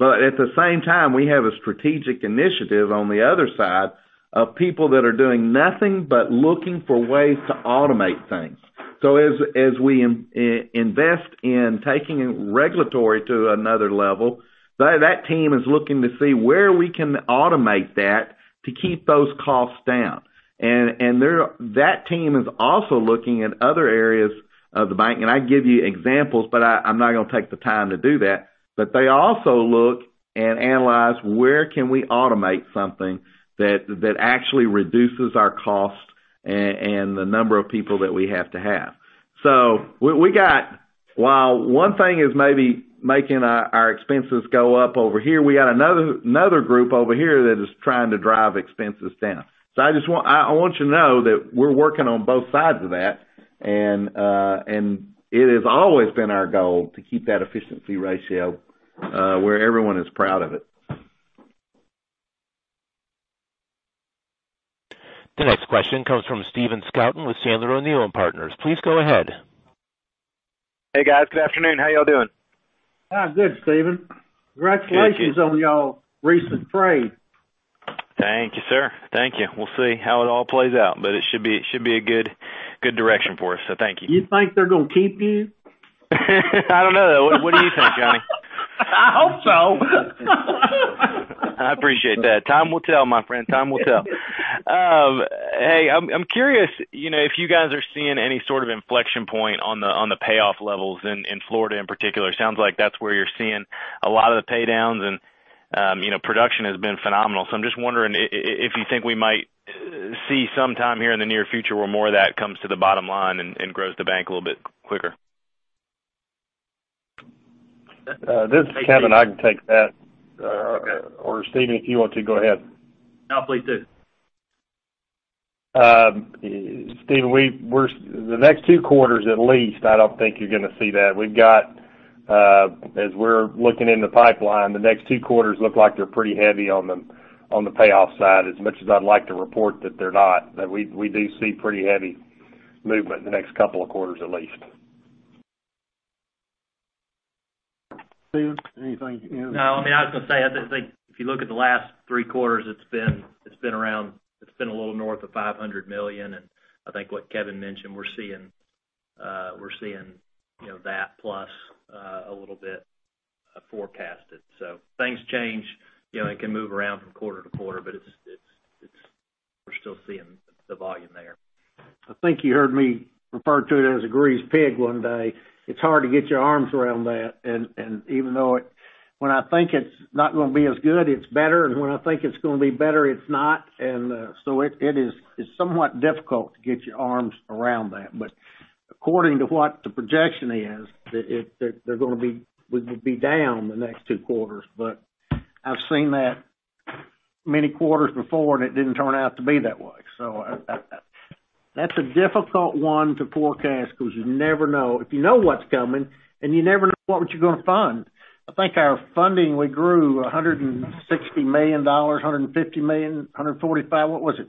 At the same time, we have a strategic initiative on the other side, of people that are doing nothing but looking for ways to automate things. As we invest in taking regulatory to another level, that team is looking to see where we can automate that to keep those costs down. That team is also looking at other areas of the bank, and I can give you examples, but I'm not going to take the time to do that. They also look and analyze where can we automate something that actually reduces our cost and the number of people that we have to have. While one thing is maybe making our expenses go up over here, we got another group over here that is trying to drive expenses down. I want you to know that we're working on both sides of that, and it has always been our goal to keep that efficiency ratio where everyone is proud of it. The next question comes from Stephen Scouten with Sandler O'Neill + Partners. Please go ahead. Hey, guys. Good afternoon. How y'all doing? Good, Stephen. Congratulations on y'all recent trade. Thank you, sir. Thank you. We'll see how it all plays out, but it should be a good direction for us, so thank you. You think they're going to keep you? I don't know. What do you think, Johnny? I hope so. I appreciate that. Time will tell, my friend. Time will tell. Hey, I'm curious if you guys are seeing any sort of inflection point on the payoff levels in Florida in particular. Sounds like that's where you're seeing a lot of the pay downs and production has been phenomenal. I'm just wondering if you think we might see some time here in the near future where more of that comes to the bottom line and grows the bank a little bit quicker. This is Kevin. I can take that. Okay. Stephen, if you want to, go ahead. No, please do. Stephen, the next two quarters at least, I don't think you're going to see that. As we're looking in the pipeline, the next two quarters look like they're pretty heavy on the payoff side, as much as I'd like to report that they're not, that we do see pretty heavy movement in the next couple of quarters at least. Stephen, anything you- No, I was going to say, I just think if you look at the last three quarters, it's been a little north of $500 million, and I think what Kevin mentioned, we're seeing that plus a little bit forecasted. Things change, it can move around from quarter to quarter, but we're still seeing the volume there. I think you heard me refer to it as a greased pig one day. It's hard to get your arms around that, and even though when I think it's not going to be as good, it's better, and when I think it's going to be better, it's not. It's somewhat difficult to get your arms around that. According to what the projection is, we're going to be down the next two quarters. I've seen that many quarters before, and it didn't turn out to be that way. That's a difficult one to forecast because you never know. If you know what's coming, and you never know what you're going to fund. I think our funding, we grew $160 million, $150 million, $145 million. What was it?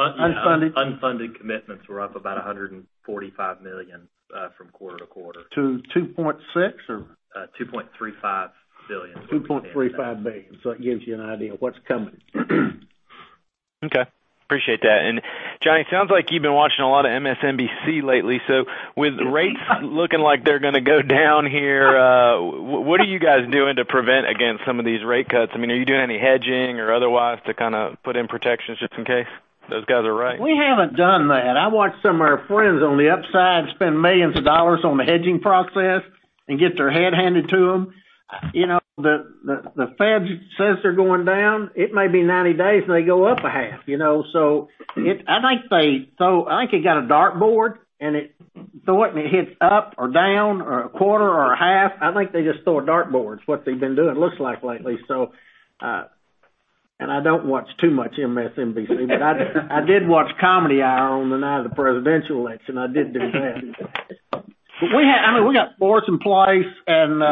Unfunded. Unfunded commitments were up about $145 million from quarter-to-quarter. To $2.6 billion or? $2.35 billion. $2.35 billion. It gives you an idea of what's coming. Okay. Appreciate that. Johnny, sounds like you've been watching a lot of MSNBC lately. With rates looking like they're going to go down here, what are you guys doing to prevent against some of these rate cuts? Are you doing any hedging or otherwise to kind of put in protections just in case those guys are right? We haven't done that. I watched some of our friends on the upside spend millions of dollars on the hedging process and get their head handed to them. The Fed says they're going down. It may be 90 days, and they go up a half. I think they got a dart board, and they throw it, and it hits up or down, or a quarter or a half. I think they just throw a dart board. It's what they've been doing, looks like lately. I don't watch too much MSNBC, but I did watch Comedy Hour on the night of the presidential election. I did do that. We got floors in place and,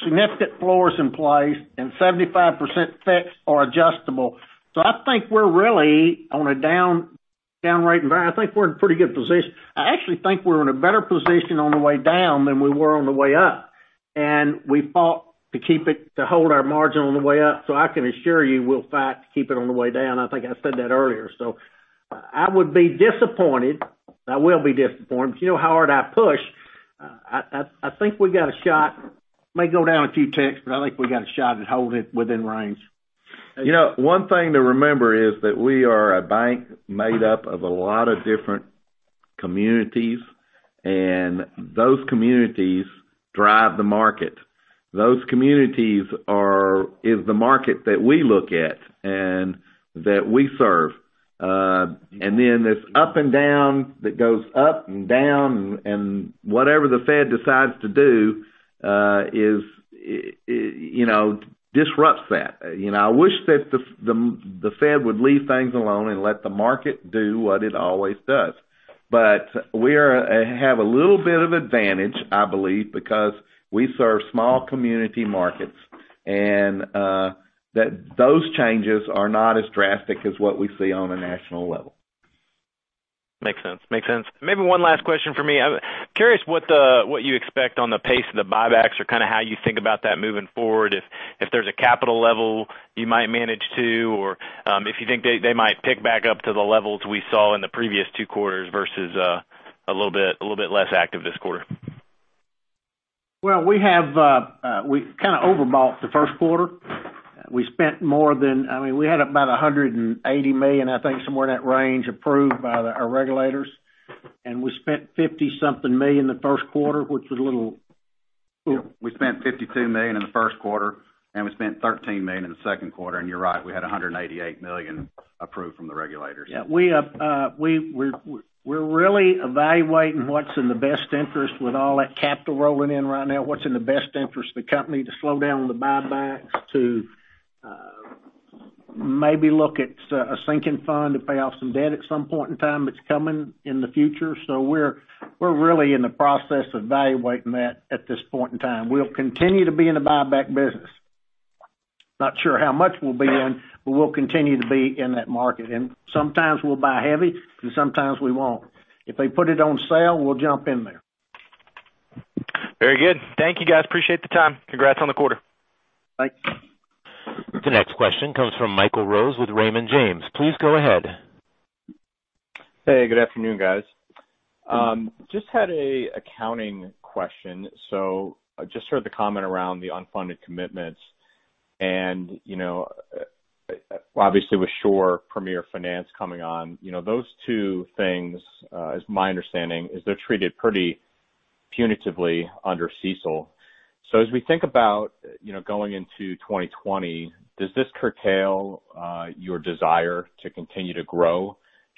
significant floors in place, and 75% fixed or adjustable. I think we're really on a down rate environment. I think we're in a pretty good position. I actually think we're in a better position on the way down than we were on the way up, and we fought to hold our margin on the way up. I can assure you we'll fight to keep it on the way down. I think I said that earlier. I would be disappointed, I will be disappointed. You know how hard I push. I think we got a shot. It may go down a few ticks, but I think we got a shot to hold it within range. One thing to remember is that we are a bank made up of a lot of different communities, those communities drive the market. Those communities is the market that we look at and that we serve. Then this up and down that goes up and down, and whatever the Fed decides to do, disrupts that. I wish that the Fed would leave things alone and let the market do what it always does. We have a little bit of advantage, I believe, because we serve small community markets, and those changes are not as drastic as what we see on a national level. Makes sense. Maybe one last question from me. I'm curious what you expect on the pace of the buybacks or kind of how you think about that moving forward, if there's a capital level you might manage to, or if you think they might pick back up to the levels we saw in the previous two quarters versus a little bit less active this quarter. Well, we kind of over-bought the first quarter. We had about $180 million, I think somewhere in that range, approved by our regulators. We spent $50 something million in the first quarter, which was a little We spent $52 million in the first quarter. We spent $13 million in the second quarter. You're right, we had $188 million approved from the regulators. Yeah. We're really evaluating what's in the best interest with all that capital rolling in right now, what's in the best interest of the company to slow down the buybacks, to maybe look at a sinking fund to pay off some debt at some point in time that's coming in the future. We're really in the process of evaluating that at this point in time. We'll continue to be in the buyback business. Not sure how much we'll be in, but we'll continue to be in that market. Sometimes we'll buy heavy, and sometimes we won't. If they put it on sale, we'll jump in there. Very good. Thank you guys, appreciate the time. Congrats on the quarter. Thanks. The next question comes from Michael Rose with Raymond James. Please go ahead. Hey, good afternoon, guys. Just had an accounting question. I just heard the comment around the unfunded commitments, and obviously with Shore Premier Finance coming on, those two things, is my understanding, is they're treated pretty punitively under CECL. As we think about going into 2020, does this curtail your desire to continue to grow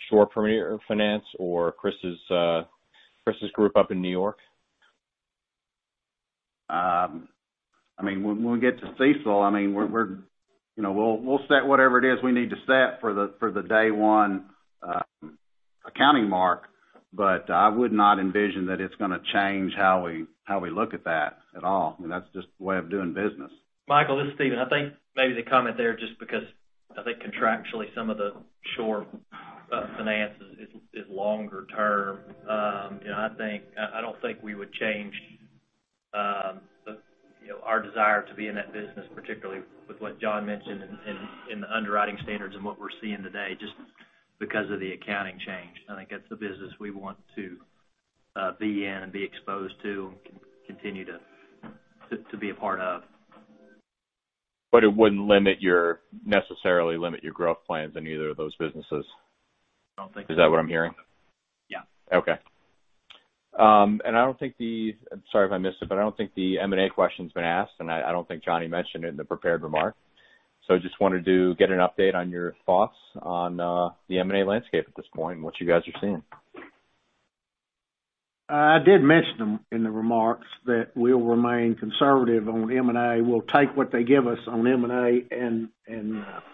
Shore Premier Finance or Chris' group up in New York? When we get to CECL, we'll set whatever it is we need to set for the day one accounting mark. I would not envision that it's going to change how we look at that at all. That's just way of doing business. Michael, this is Stephen. I think maybe the comment there, just because. I think contractually some of the shore finances is longer term. I don't think we would change our desire to be in that business, particularly with what John mentioned in the underwriting standards and what we're seeing today, just because of the accounting change. I think it's a business we want to be in and be exposed to, and continue to be a part of. It wouldn't necessarily limit your growth plans in either of those businesses? I don't think so. Is that what I'm hearing? Yeah. Okay. Sorry if I missed it, but I don't think the M&A question's been asked, and I don't think Johnny mentioned it in the prepared remarks. I just wanted to get an update on your thoughts on the M&A landscape at this point, and what you guys are seeing. I did mention them in the remarks, that we'll remain conservative on M&A. We'll take what they give us on M&A and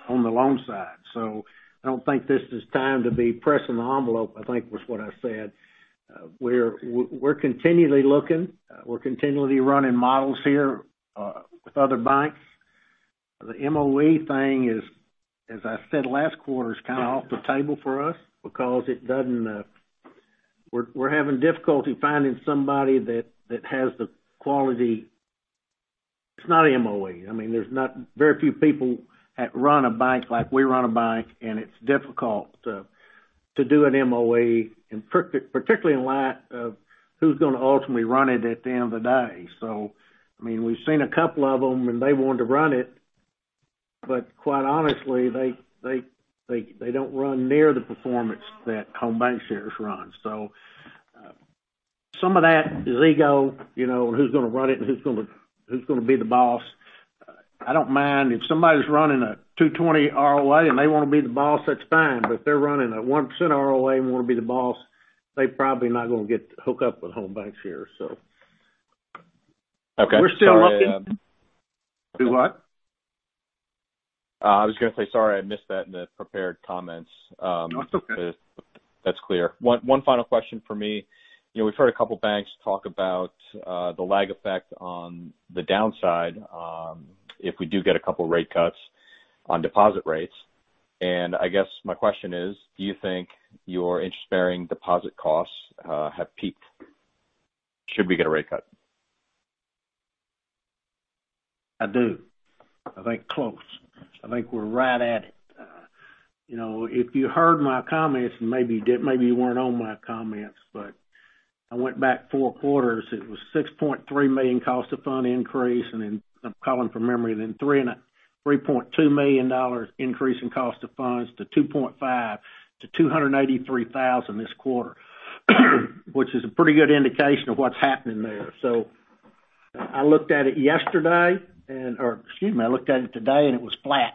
on the loan side. I don't think this is time to be pressing the envelope, I think was what I said. We're continually looking. We're continually running models here with other banks. The MOE thing, as I said last quarter, is kind of off the table for us because we're having difficulty finding somebody that has the quality. It's not MOE. There's very few people that run a bank like we run a bank, and it's difficult to do an MOE, and particularly in light of who's going to ultimately run it at the end of the day. We've seen a couple of them, and they wanted to run it, but quite honestly, they don't run near the performance that Home BancShares runs. Some of that is ego, who's going to run it and who's going to be the boss. I don't mind. If somebody's running a 220 ROA and they want to be the boss, that's fine. If they're running a 1% ROA and want to be the boss, they're probably not going to get to hook up with Home BancShares. Okay. We're still looking. Do what? I was going to say, sorry, I missed that in the prepared comments. No, that's okay. That's clear. One final question from me. We've heard a couple banks talk about the lag effect on the downside if we do get a couple rate cuts on deposit rates. I guess my question is, do you think your interest-bearing deposit costs have peaked, should we get a rate cut? I do. I think close. I think we're right at it. If you heard my comments, maybe you weren't on my comments, I went back four quarters, it was $6.3 million cost of fund increase. I'm calling from memory, then a $3.2 million increase in cost of funds to $2.5 million to $283,000 this quarter, which is a pretty good indication of what's happening there. I looked at it yesterday, or excuse me, I looked at it today, and it was flat.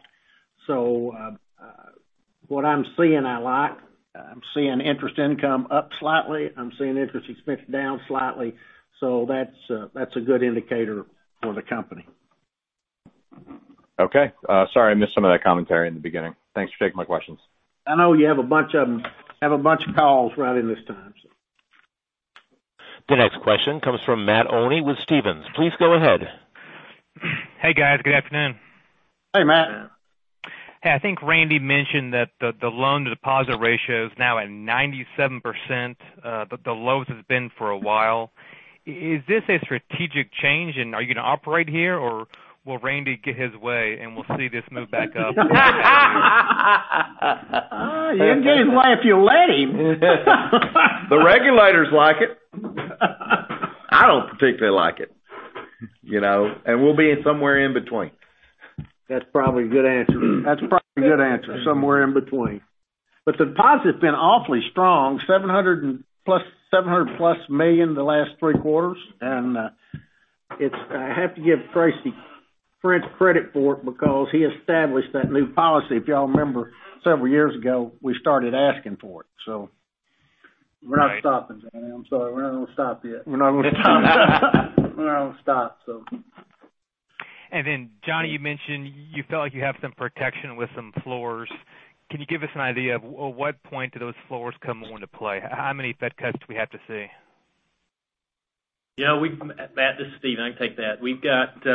What I'm seeing, I like. I'm seeing interest income up slightly. I'm seeing interest expense down slightly. That's a good indicator for the company. Okay. Sorry I missed some of that commentary in the beginning. Thanks for taking my questions. I know you have a bunch of them. Have a bunch of calls right in this time. The next question comes from Matt Olney with Stephens. Please go ahead. Hey, guys. Good afternoon. Hey, Matt. Hey, I think Randy mentioned that the loan-to-deposit ratio is now at 97%, the lowest it's been for a while. Is this a strategic change, and are you going to operate here? Will Randy get his way and we'll see this move back up? He'll get his way if you let him. The regulators like it. I don't particularly like it. We'll be in somewhere in between. That's probably a good answer. That's probably a good answer, somewhere in between. Deposits have been awfully strong, $700 million-plus the last three quarters. I have to give Chris the credit for it because he established that new policy. If you all remember, several years ago, we started asking for it. We're not stopping, Danny. I'm sorry. We're not going to stop yet. We're not going to stop. We're not going to stop, so. Johnny, you mentioned you felt like you have some protection with some floors. Can you give us an idea of at what point do those floors come more into play? How many Fed cuts do we have to see? Matt, this is Steve. I can take that. We've got,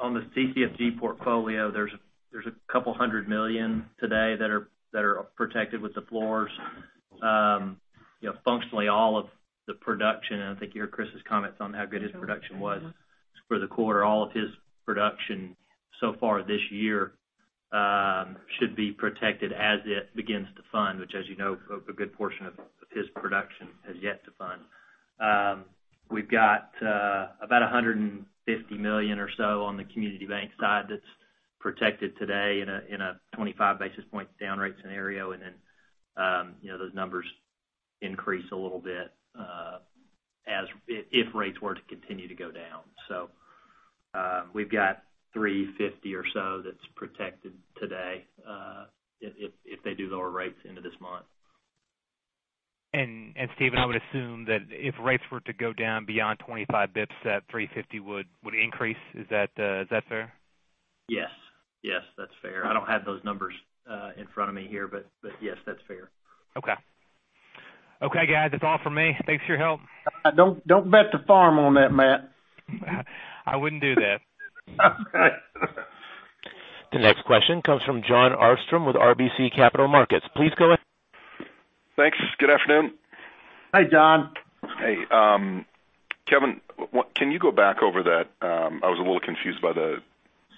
on the CCFG portfolio, there's a couple hundred million today that are protected with the floors. Functionally, all of the production, I think you heard Chris's comments on how good his production was for the quarter, all of his production so far this year should be protected as it begins to fund, which, as you know, a good portion of his production has yet to fund. We've got about $150 million or so on the community bank side that's protected today in a 25 basis point down rate scenario, those numbers increase a little bit if rates were to continue to go down. We've got $350 or so that's protected today if they do lower rates into this month. Stephen, I would assume that if rates were to go down beyond 25 basis points, that $350 would increase. Is that fair? Yes, that's fair. I don't have those numbers in front of me here, but yes, that's fair. Okay. Okay, guys, that's all for me. Thanks for your help. Don't bet the farm on that, Matt. I wouldn't do that. The next question comes from Jon Arfstrom with RBC Capital Markets. Please go ahead. Thanks. Good afternoon. Hi, Jon. Hey. Kevin, can you go back over that? I was a little confused by the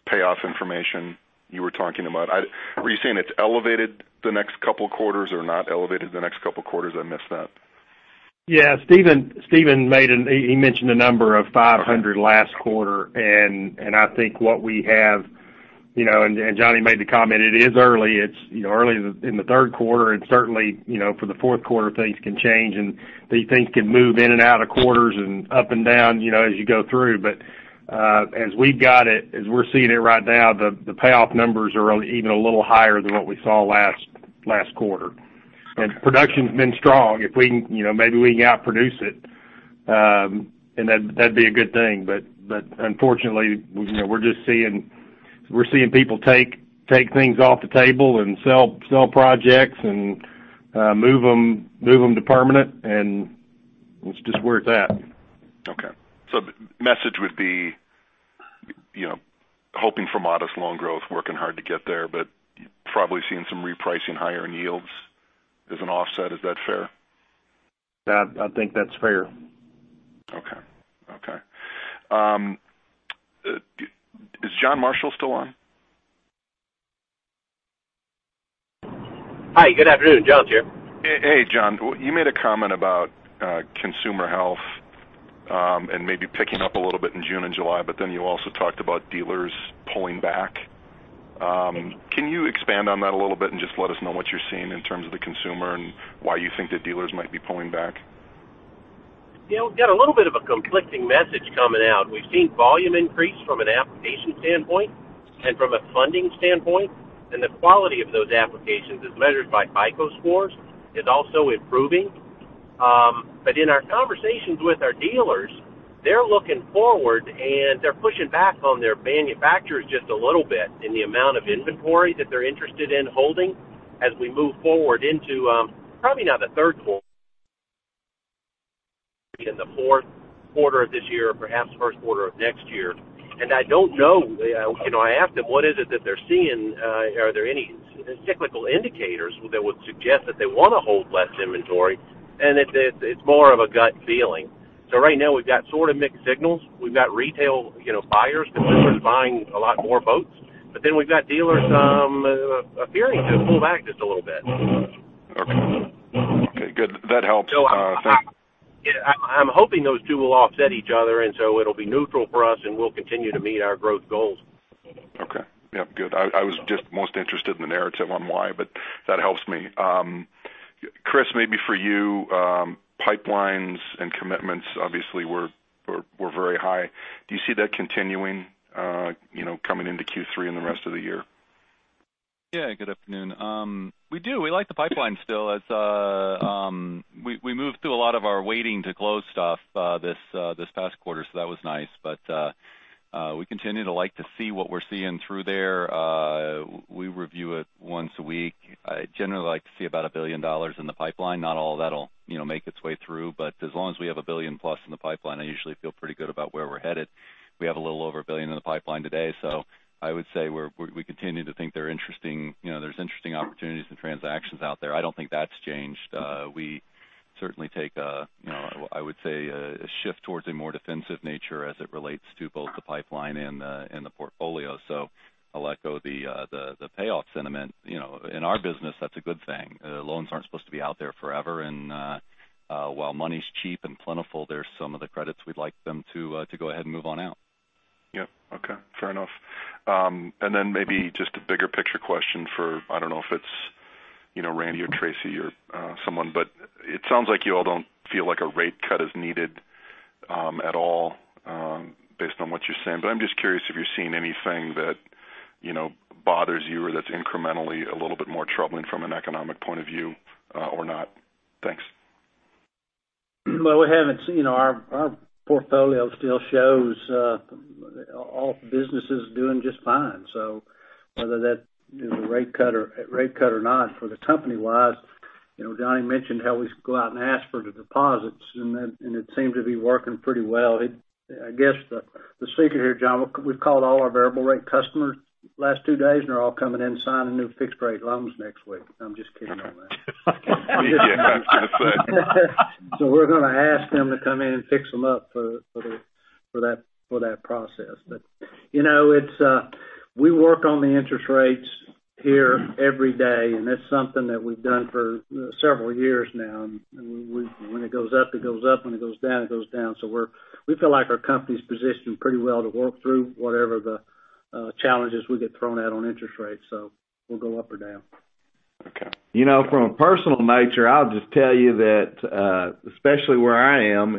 payoff information you were talking about. Were you saying it's elevated the next couple quarters or not elevated the next couple quarters? I missed that. Yeah. Stephen mentioned a number of 500 last quarter. I think what we have, and Johnny made the comment, it is early. It's early in the third quarter. Certainly, for the fourth quarter, things can change, and these things can move in and out of quarters and up and down as you go through. As we've got it, as we're seeing it right now, the payoff numbers are even a little higher than what we saw last quarter. Production's been strong. Maybe we can outproduce it, and that'd be a good thing. Unfortunately, we're seeing people take things off the table and sell projects and move them to permanent, and it's just where it's at. Okay. The message would be hoping for modest loan growth, working hard to get there, but probably seeing some repricing higher in yields as an offset. Is that fair? I think that's fair. Okay. Is John Marshall still on? Hi, good afternoon. John's here. Hey, John. You made a comment about consumer health, maybe picking up a little bit in June and July, you also talked about dealers pulling back. Can you expand on that a little bit and just let us know what you're seeing in terms of the consumer and why you think that dealers might be pulling back? Yeah. We've got a little bit of a conflicting message coming out. We've seen volume increase from an application standpoint from a funding standpoint, the quality of those applications as measured by FICO scores is also improving. In our conversations with our dealers, they're looking forward, they're pushing back on their manufacturers just a little bit in the amount of inventory that they're interested in holding as we move forward into, probably not the third quarter, maybe in the fourth quarter of this year, perhaps first quarter of next year. I don't know. I asked them what is it that they're seeing. Are there any cyclical indicators that would suggest that they want to hold less inventory? It's more of a gut feeling. Right now, we've got sort of mixed signals. We've got retail buyers, consumers buying a lot more boats, we've got dealers appearing to pull back just a little bit. Okay. Good. That helps. Thank you. I'm hoping those two will offset each other, and so it'll be neutral for us, and we'll continue to meet our growth goals. Okay. Yeah, good. I was just most interested in the narrative on why, but that helps me. Chris, maybe for you, pipelines and commitments obviously were very high. Do you see that continuing coming into Q3 and the rest of the year? Yeah, good afternoon. We do. We like the pipeline still. We moved through a lot of our waiting to close stuff this past quarter, so that was nice. We continue to like to see what we're seeing through there. We review it once a week. I generally like to see about $1 billion in the pipeline. Not all of that'll make its way through. As long as we have a $1 billion plus in the pipeline, I usually feel pretty good about where we're headed. We have a little over $1 billion in the pipeline today, so I would say we continue to think there's interesting opportunities and transactions out there. I don't think that's changed. We certainly take a, I would say, a shift towards a more defensive nature as it relates to both the pipeline and the portfolio. I'll echo the payoff sentiment. In our business, that's a good thing. Loans aren't supposed to be out there forever, and while money's cheap and plentiful, there's some of the credits we'd like them to go ahead and move on out. Yep. Okay, fair enough. Maybe just a bigger picture question for, I don't know if it's Randy or Tracy or someone, but it sounds like you all don't feel like a rate cut is needed at all based on what you're saying. I'm just curious if you're seeing anything that bothers you or that's incrementally a little bit more troubling from an economic point of view or not. Thanks. No, we haven't seen. Our portfolio still shows all businesses doing just fine. Whether that's a rate cut or not for the company-wise, Johnny mentioned how we go out and ask for the deposits, and it seems to be working pretty well. I guess the secret here, John, we've called all our variable rate customers the last two days, and they're all coming in to sign the new fixed rate loans next week. I'm just kidding on that. I was going to say. We're going to ask them to come in and fix them up for that process. We work on the interest rates here every day, and that's something that we've done for several years now. When it goes up, it goes up, when it goes down, it goes down. We feel like our company's positioned pretty well to work through whatever the challenges we get thrown at on interest rates. We'll go up or down. Okay. From a personal nature, I'll just tell you that, especially where I am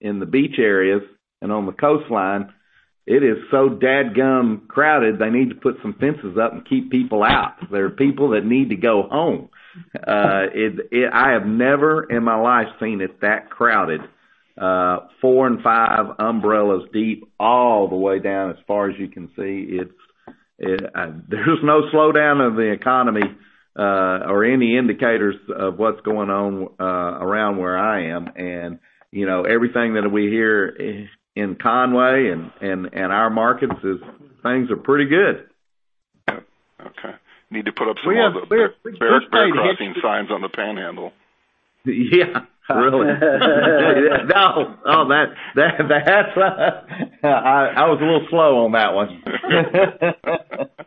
in the beach areas and on the coastline, it is so dadgum crowded they need to put some fences up and keep people out. There are people that need to go home. I have never in my life seen it that crowded. Four and five umbrellas deep all the way down as far as you can see. There's no slowdown of the economy or any indicators of what's going on around where I am. Everything that we hear in Conway and our markets is things are pretty good. Okay. We have. crossing signs on the Panhandle. Yeah. Really? No. Oh, I was a little slow on that one.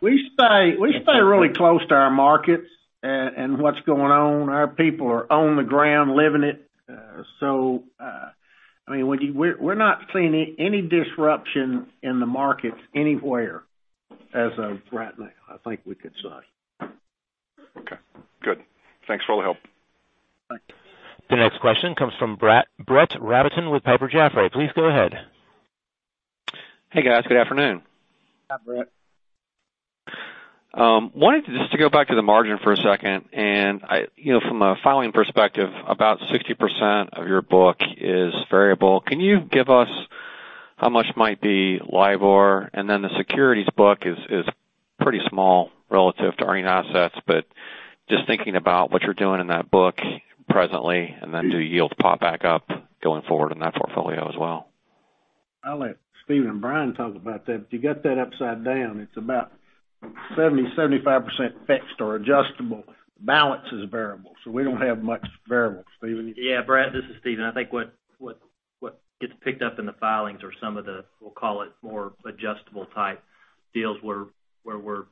We stay really close to our markets and what's going on. Our people are on the ground living it. We're not seeing any disruption in the markets anywhere as of right now, I think we could say. Okay, good. Thanks for all the help. Thank you. The next question comes from Brett Rabatin with Piper Jaffray. Please go ahead. Hey, guys. Good afternoon. Hi, Brett. Wanted just to go back to the margin for a second. From a filing perspective, about 60% of your book is variable. Can you give us how much might be LIBOR? The securities book is pretty small relative to earning assets, but just thinking about what you're doing in that book presently, then do yields pop back up going forward in that portfolio as well? I'll let Stephen and Brian talk about that, but you got that upside down. It's about 70%-75% fixed or adjustable. The balance is variable. We don't have much variable. Stephen, Yeah, Brett, this is Stephen. I think what gets picked up in the filings are some of the, we'll call it, more adjustable type deals where we're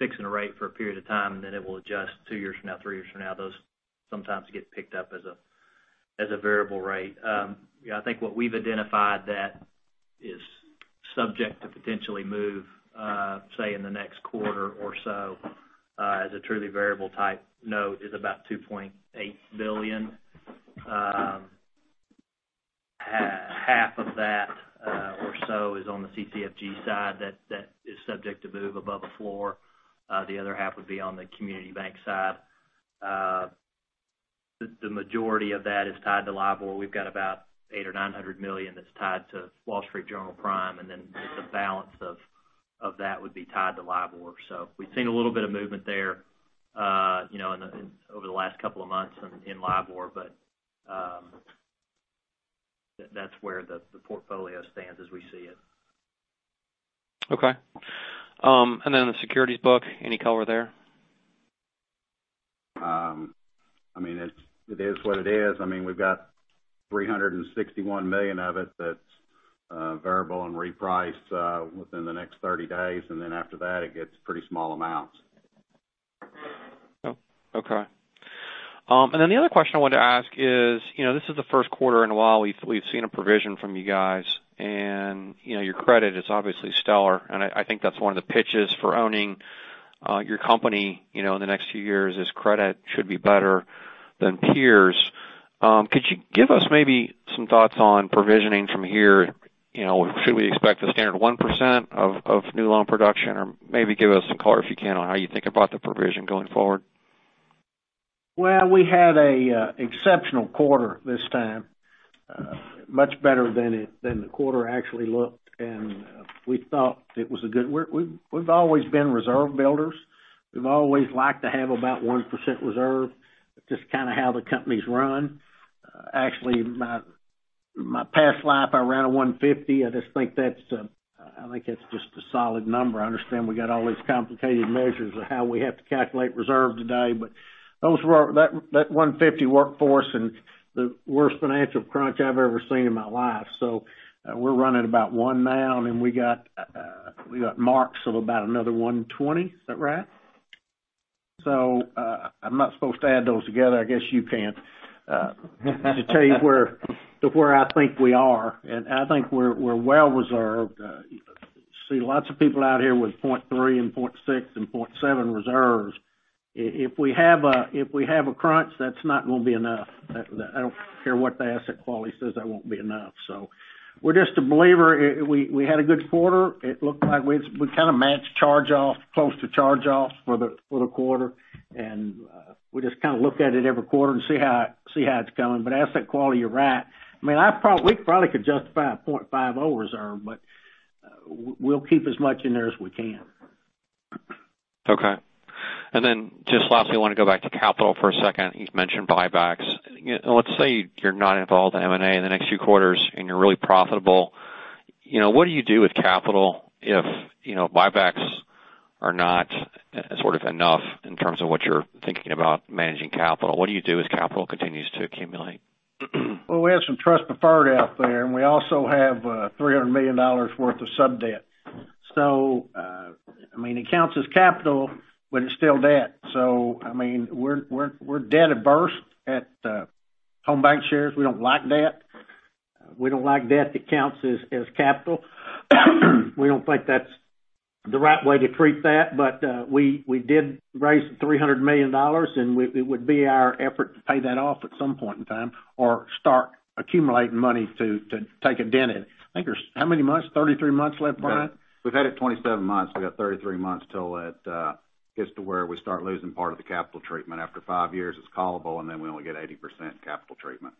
fixing a rate for a period of time, then it will adjust two years from now, three years from now. Those sometimes get picked up as a variable rate. I think what we've identified that is subject to potentially move, say, in the next quarter or so, as a truly variable type note, is about $2.8 billion. Half of that or so is on the CCFG side that is subject to move above a floor. The other half would be on the community bank side. The majority of that is tied to LIBOR. We've got about $800 million-$900 million that's tied to Wall Street Journal prime, then the balance of that would be tied to LIBOR. We've seen a little bit of movement there over the last couple of months in LIBOR, but that's where the portfolio stands as we see it. Okay. The securities book, any color there? It is what it is. We've got $361 million of it that's variable and repriced within the next 30 days, and then after that, it gets pretty small amounts. Oh, okay. The other question I wanted to ask is, this is the first quarter in a while we've seen a provision from you guys, and your credit is obviously stellar, and I think that's one of the pitches for owning your company, in the next few years as credit should be better than peers. Could you give us maybe some thoughts on provisioning from here? Should we expect the standard 1% of new loan production? Maybe give us some color, if you can, on how you think about the provision going forward. Well, we had an exceptional quarter this time. Much better than the quarter actually looked, we've always been reserve builders. We've always liked to have about 1% reserve, just kind of how the company's run. Actually, my past life, I ran a 150. I just think that's just a solid number. I understand we got all these complicated measures of how we have to calculate reserve today, but that 150 worked for us in the worst financial crunch I've ever seen in my life. We're running about one now, then we got marks of about another 120. Is that right? I'm not supposed to add those together. I guess you can't. To tell you where I think we are, and I think we're well reserved. See lots of people out here with 0.3 and 0.6 and 0.7 reserves. If we have a crunch, that's not going to be enough. I don't care what the asset quality says, that won't be enough. We're just a believer. We had a good quarter. It looked like we kind of matched charge-off close to charge-offs for the quarter, and we just kind of look at it every quarter and see how it's going. Asset quality, you're right. We probably could justify a 0.50 reserve, but we'll keep as much in there as we can. Okay. Just lastly, I want to go back to capital for a second. You've mentioned buybacks. Let's say you're not involved in M&A in the next few quarters, and you're really profitable. What do you do with capital if buybacks are not sort of enough in terms of what you're thinking about managing capital? What do you do as capital continues to accumulate? Well, we have some trust preferred out there, and we also have $300 million worth of sub-debt. It counts as capital, but it's still debt. We're debt averse at Home BancShares. We don't like debt. We don't like debt that counts as capital. We don't think that's the right way to treat that. We did raise $300 million, and it would be our effort to pay that off at some point in time or start accumulating money to take a dent in it. I think there's how many months? 33 months left, Brian? We've had it 27 months. We got 33 months till it gets to where we start losing part of the capital treatment. After five years, it's callable, and then we only get 80% capital treatment.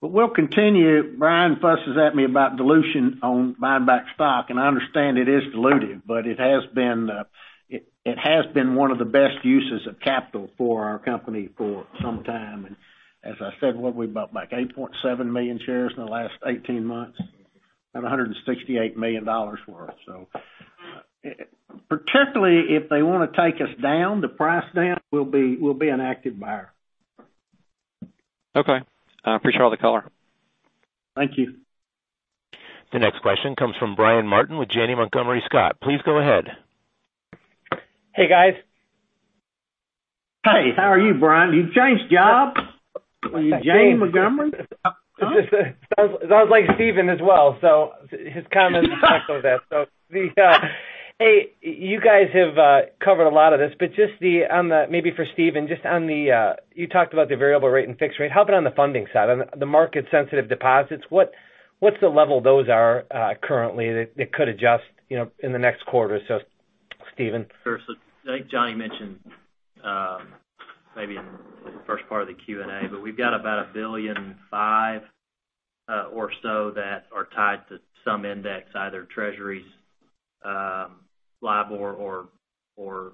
We'll continue. Brian fusses at me about dilution on buying back stock, and I understand it is dilutive, but it has been one of the best uses of capital for our company for some time. As I said, what we bought back, 8.7 million shares in the last 18 months at $168 million worth. Particularly if they want to take us down, the price down, we'll be an active buyer. Okay. I appreciate all the color. Thank you. The next question comes from Brian Martin with Janney Montgomery Scott. Please go ahead. Hey, guys. Hey, how are you, Brian? You've changed jobs? Are you Janney Montgomery? Huh? Sounds like Stephen as well. His comments echo that. Hey, you guys have covered a lot of this, but just maybe for Stephen, you talked about the variable rate and fixed rate. How about on the funding side, on the market-sensitive deposits, what's the level those are currently that could adjust in the next quarter or so, Stephen? Sure. I think Johnny mentioned, maybe in the first part of the Q&A, but we've got about $1.5 billion or so that are tied to some index, either Treasuries, LIBOR, or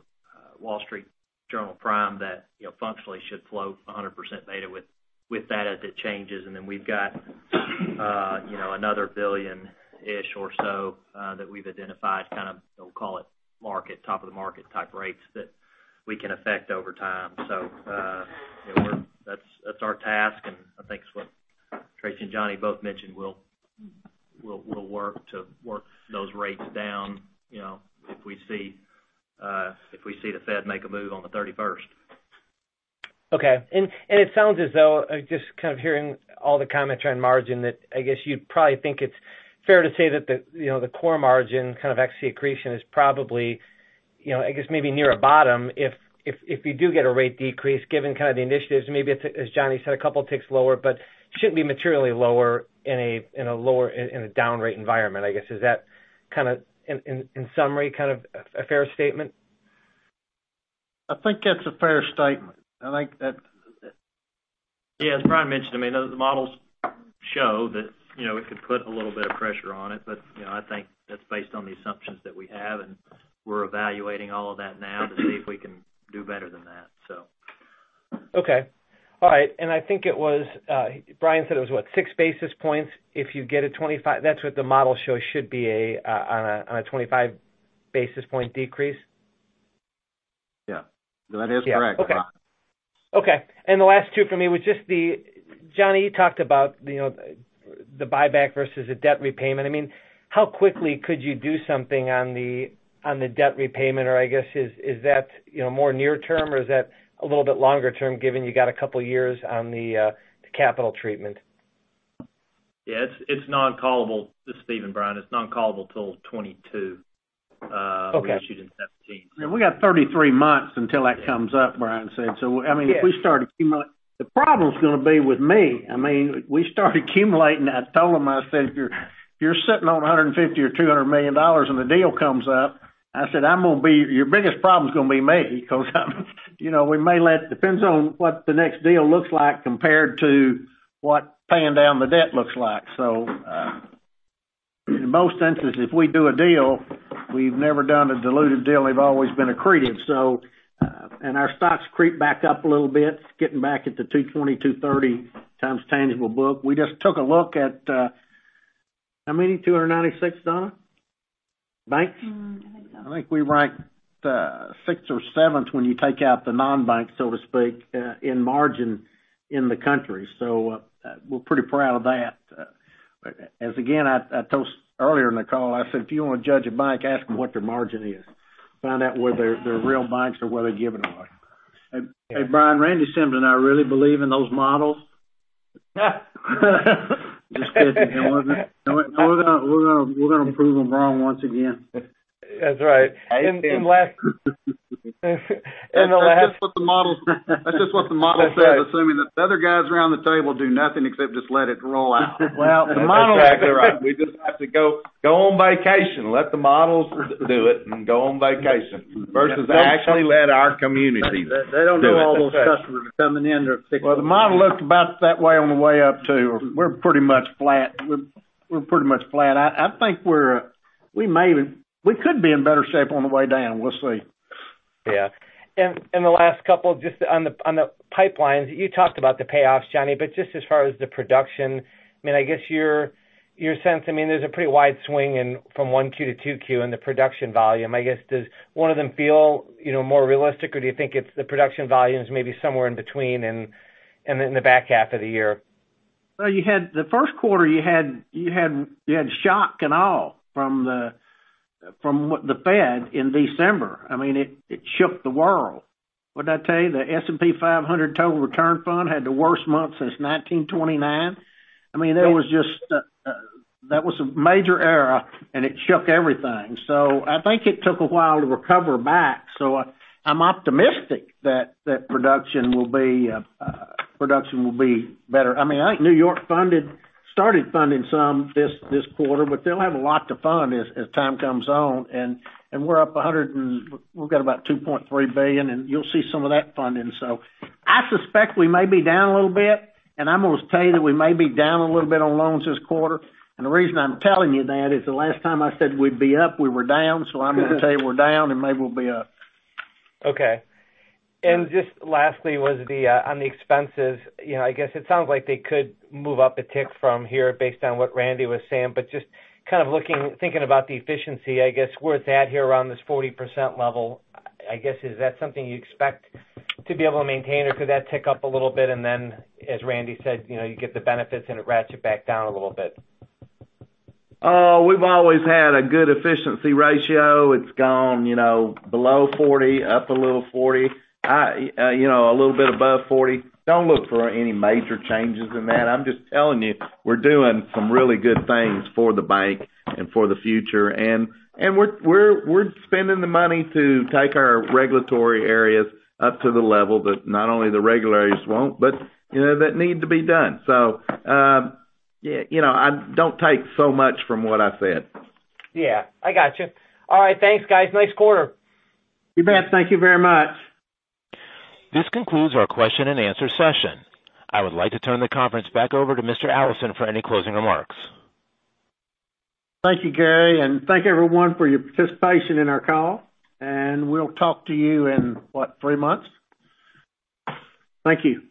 Wall Street Journal prime that functionally should float 100% beta with that as it changes. We've got another billion-ish or so that we've identified kind of, we'll call it market, top of the market type rates that we can affect over time. That's our task, and I think it's what Tracy and Johnny both mentioned, we'll work to work those rates down if we see the Fed make a move on the 31st. Okay. It sounds as though, just kind of hearing all the commentary on margin, that I guess you'd probably think it's fair to say that the core margin kind of ex-accretion is probably, I guess, maybe near a bottom if you do get a rate decrease, given kind of the initiatives, maybe it's, as Johnny said, a couple of ticks lower, but shouldn't be materially lower in a down rate environment, I guess. Is that, in summary, kind of a fair statement? I think that's a fair statement. Yeah, as Brian mentioned, the models show that it could put a little bit of pressure on it, but I think that's based on the assumptions that we have, and we're evaluating all of that now to see if we can do better than that. Okay. All right. I think it was Brian said it was, what, six basis points if you get a 25, that's what the model shows should be on a 25 basis point decrease? Yeah. That is correct, Brian. Okay. The last two for me was just the, Johnny, you talked about the buyback versus the debt repayment. How quickly could you do something on the debt repayment? Or I guess, is that more near term, or is that a little bit longer term, given you got a couple of years on the capital treatment? Yeah, it's non-callable. This is Stephen, Brian. It's non-callable till 2022. Okay. We issued in 2017. We got 33 months until that comes up, Brian. If we start accumulating, the problem's going to be with me. We start accumulating, I told him, I said, "You're sitting on $150 million or $200 million, and the deal comes up," I said, "Your biggest problem's going to be me," because we may let, depends on what the next deal looks like compared to what paying down the debt looks like. In most instances, if we do a deal, we've never done a dilutive deal. They've always been accretive. Our stock's creeped back up a little bit, getting back at the 2.20x, 2.30x tangible book. We just took a look at, how many? 296, Donna? Banks? I think so. I think we ranked sixth or seventh when you take out the non-banks, so to speak, in margin in the country. We're pretty proud of that. I told earlier in the call, I said, "If you want to judge a bank, ask them what their margin is. Find out whether they're real banks or whether they're giving away." Brian, Randy Sims and I really believe in those models. Just kidding. We're going to prove them wrong once again. That's right. That's just what the model says, assuming that the other guys around the table do nothing except just let it roll out. Well, Exactly right. We just have to go on vacation, let the models do it, and go on vacation versus actually let our community do it. They don't know all those customers are coming in, they're picking. Well, the model looked about that way on the way up, too. We're pretty much flat. I think we could be in better shape on the way down. We'll see. Yeah. The last couple, just on the pipelines, you talked about the payoffs, Johnny, but just as far as the production, I guess your sense, there's a pretty wide swing in from one Q to two Q in the production volume. I guess, does one of them feel more realistic, or do you think the production volume is maybe somewhere in between and in the back half of the year? Well, the first quarter, you had shock and awe from the Fed in December. It shook the world. Wouldn't I tell you, the S&P 500 Total Return Fund had the worst month since 1929. That was a major error, and it shook everything. I think it took a while to recover back. I'm optimistic that production will be better. I think New York started funding some this quarter, but they'll have a lot to fund as time comes on, and we're up $100, and we've got about $2.3 billion, and you'll see some of that funding. I suspect we may be down a little bit, and I'm going to tell you that we may be down a little bit on loans this quarter. The reason I'm telling you that is the last time I said we'd be up, we were down. I'm going to tell you we're down, and maybe we'll be up. Okay. Just lastly was on the expenses. I guess it sounds like they could move up a tick from here based on what Randy was saying. Just kind of looking, thinking about the efficiency, I guess, we're at here around this 40% level, I guess, is that something you expect to be able to maintain, or could that tick up a little bit, and then, as Randy said, you get the benefits, and it ratchet back down a little bit? We've always had a good efficiency ratio. It's gone below 40, up a little 40. A little bit above 40. Don't look for any major changes in that. I'm just telling you. We're doing some really good things for the bank and for the future. We're spending the money to take our regulatory areas up to the level that not only the regulators want, but that need to be done. Don't take so much from what I said. Yeah. I got you. All right. Thanks, guys. Nice quarter. You bet. Thank you very much. This concludes our question and answer session. I would like to turn the conference back over to Mr. Allison for any closing remarks. Thank you, Gary, and thank everyone for your participation in our call, and we'll talk to you in, what, three months? Thank you.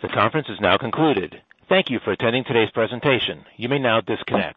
The conference is now concluded. Thank you for attending today's presentation. You may now disconnect.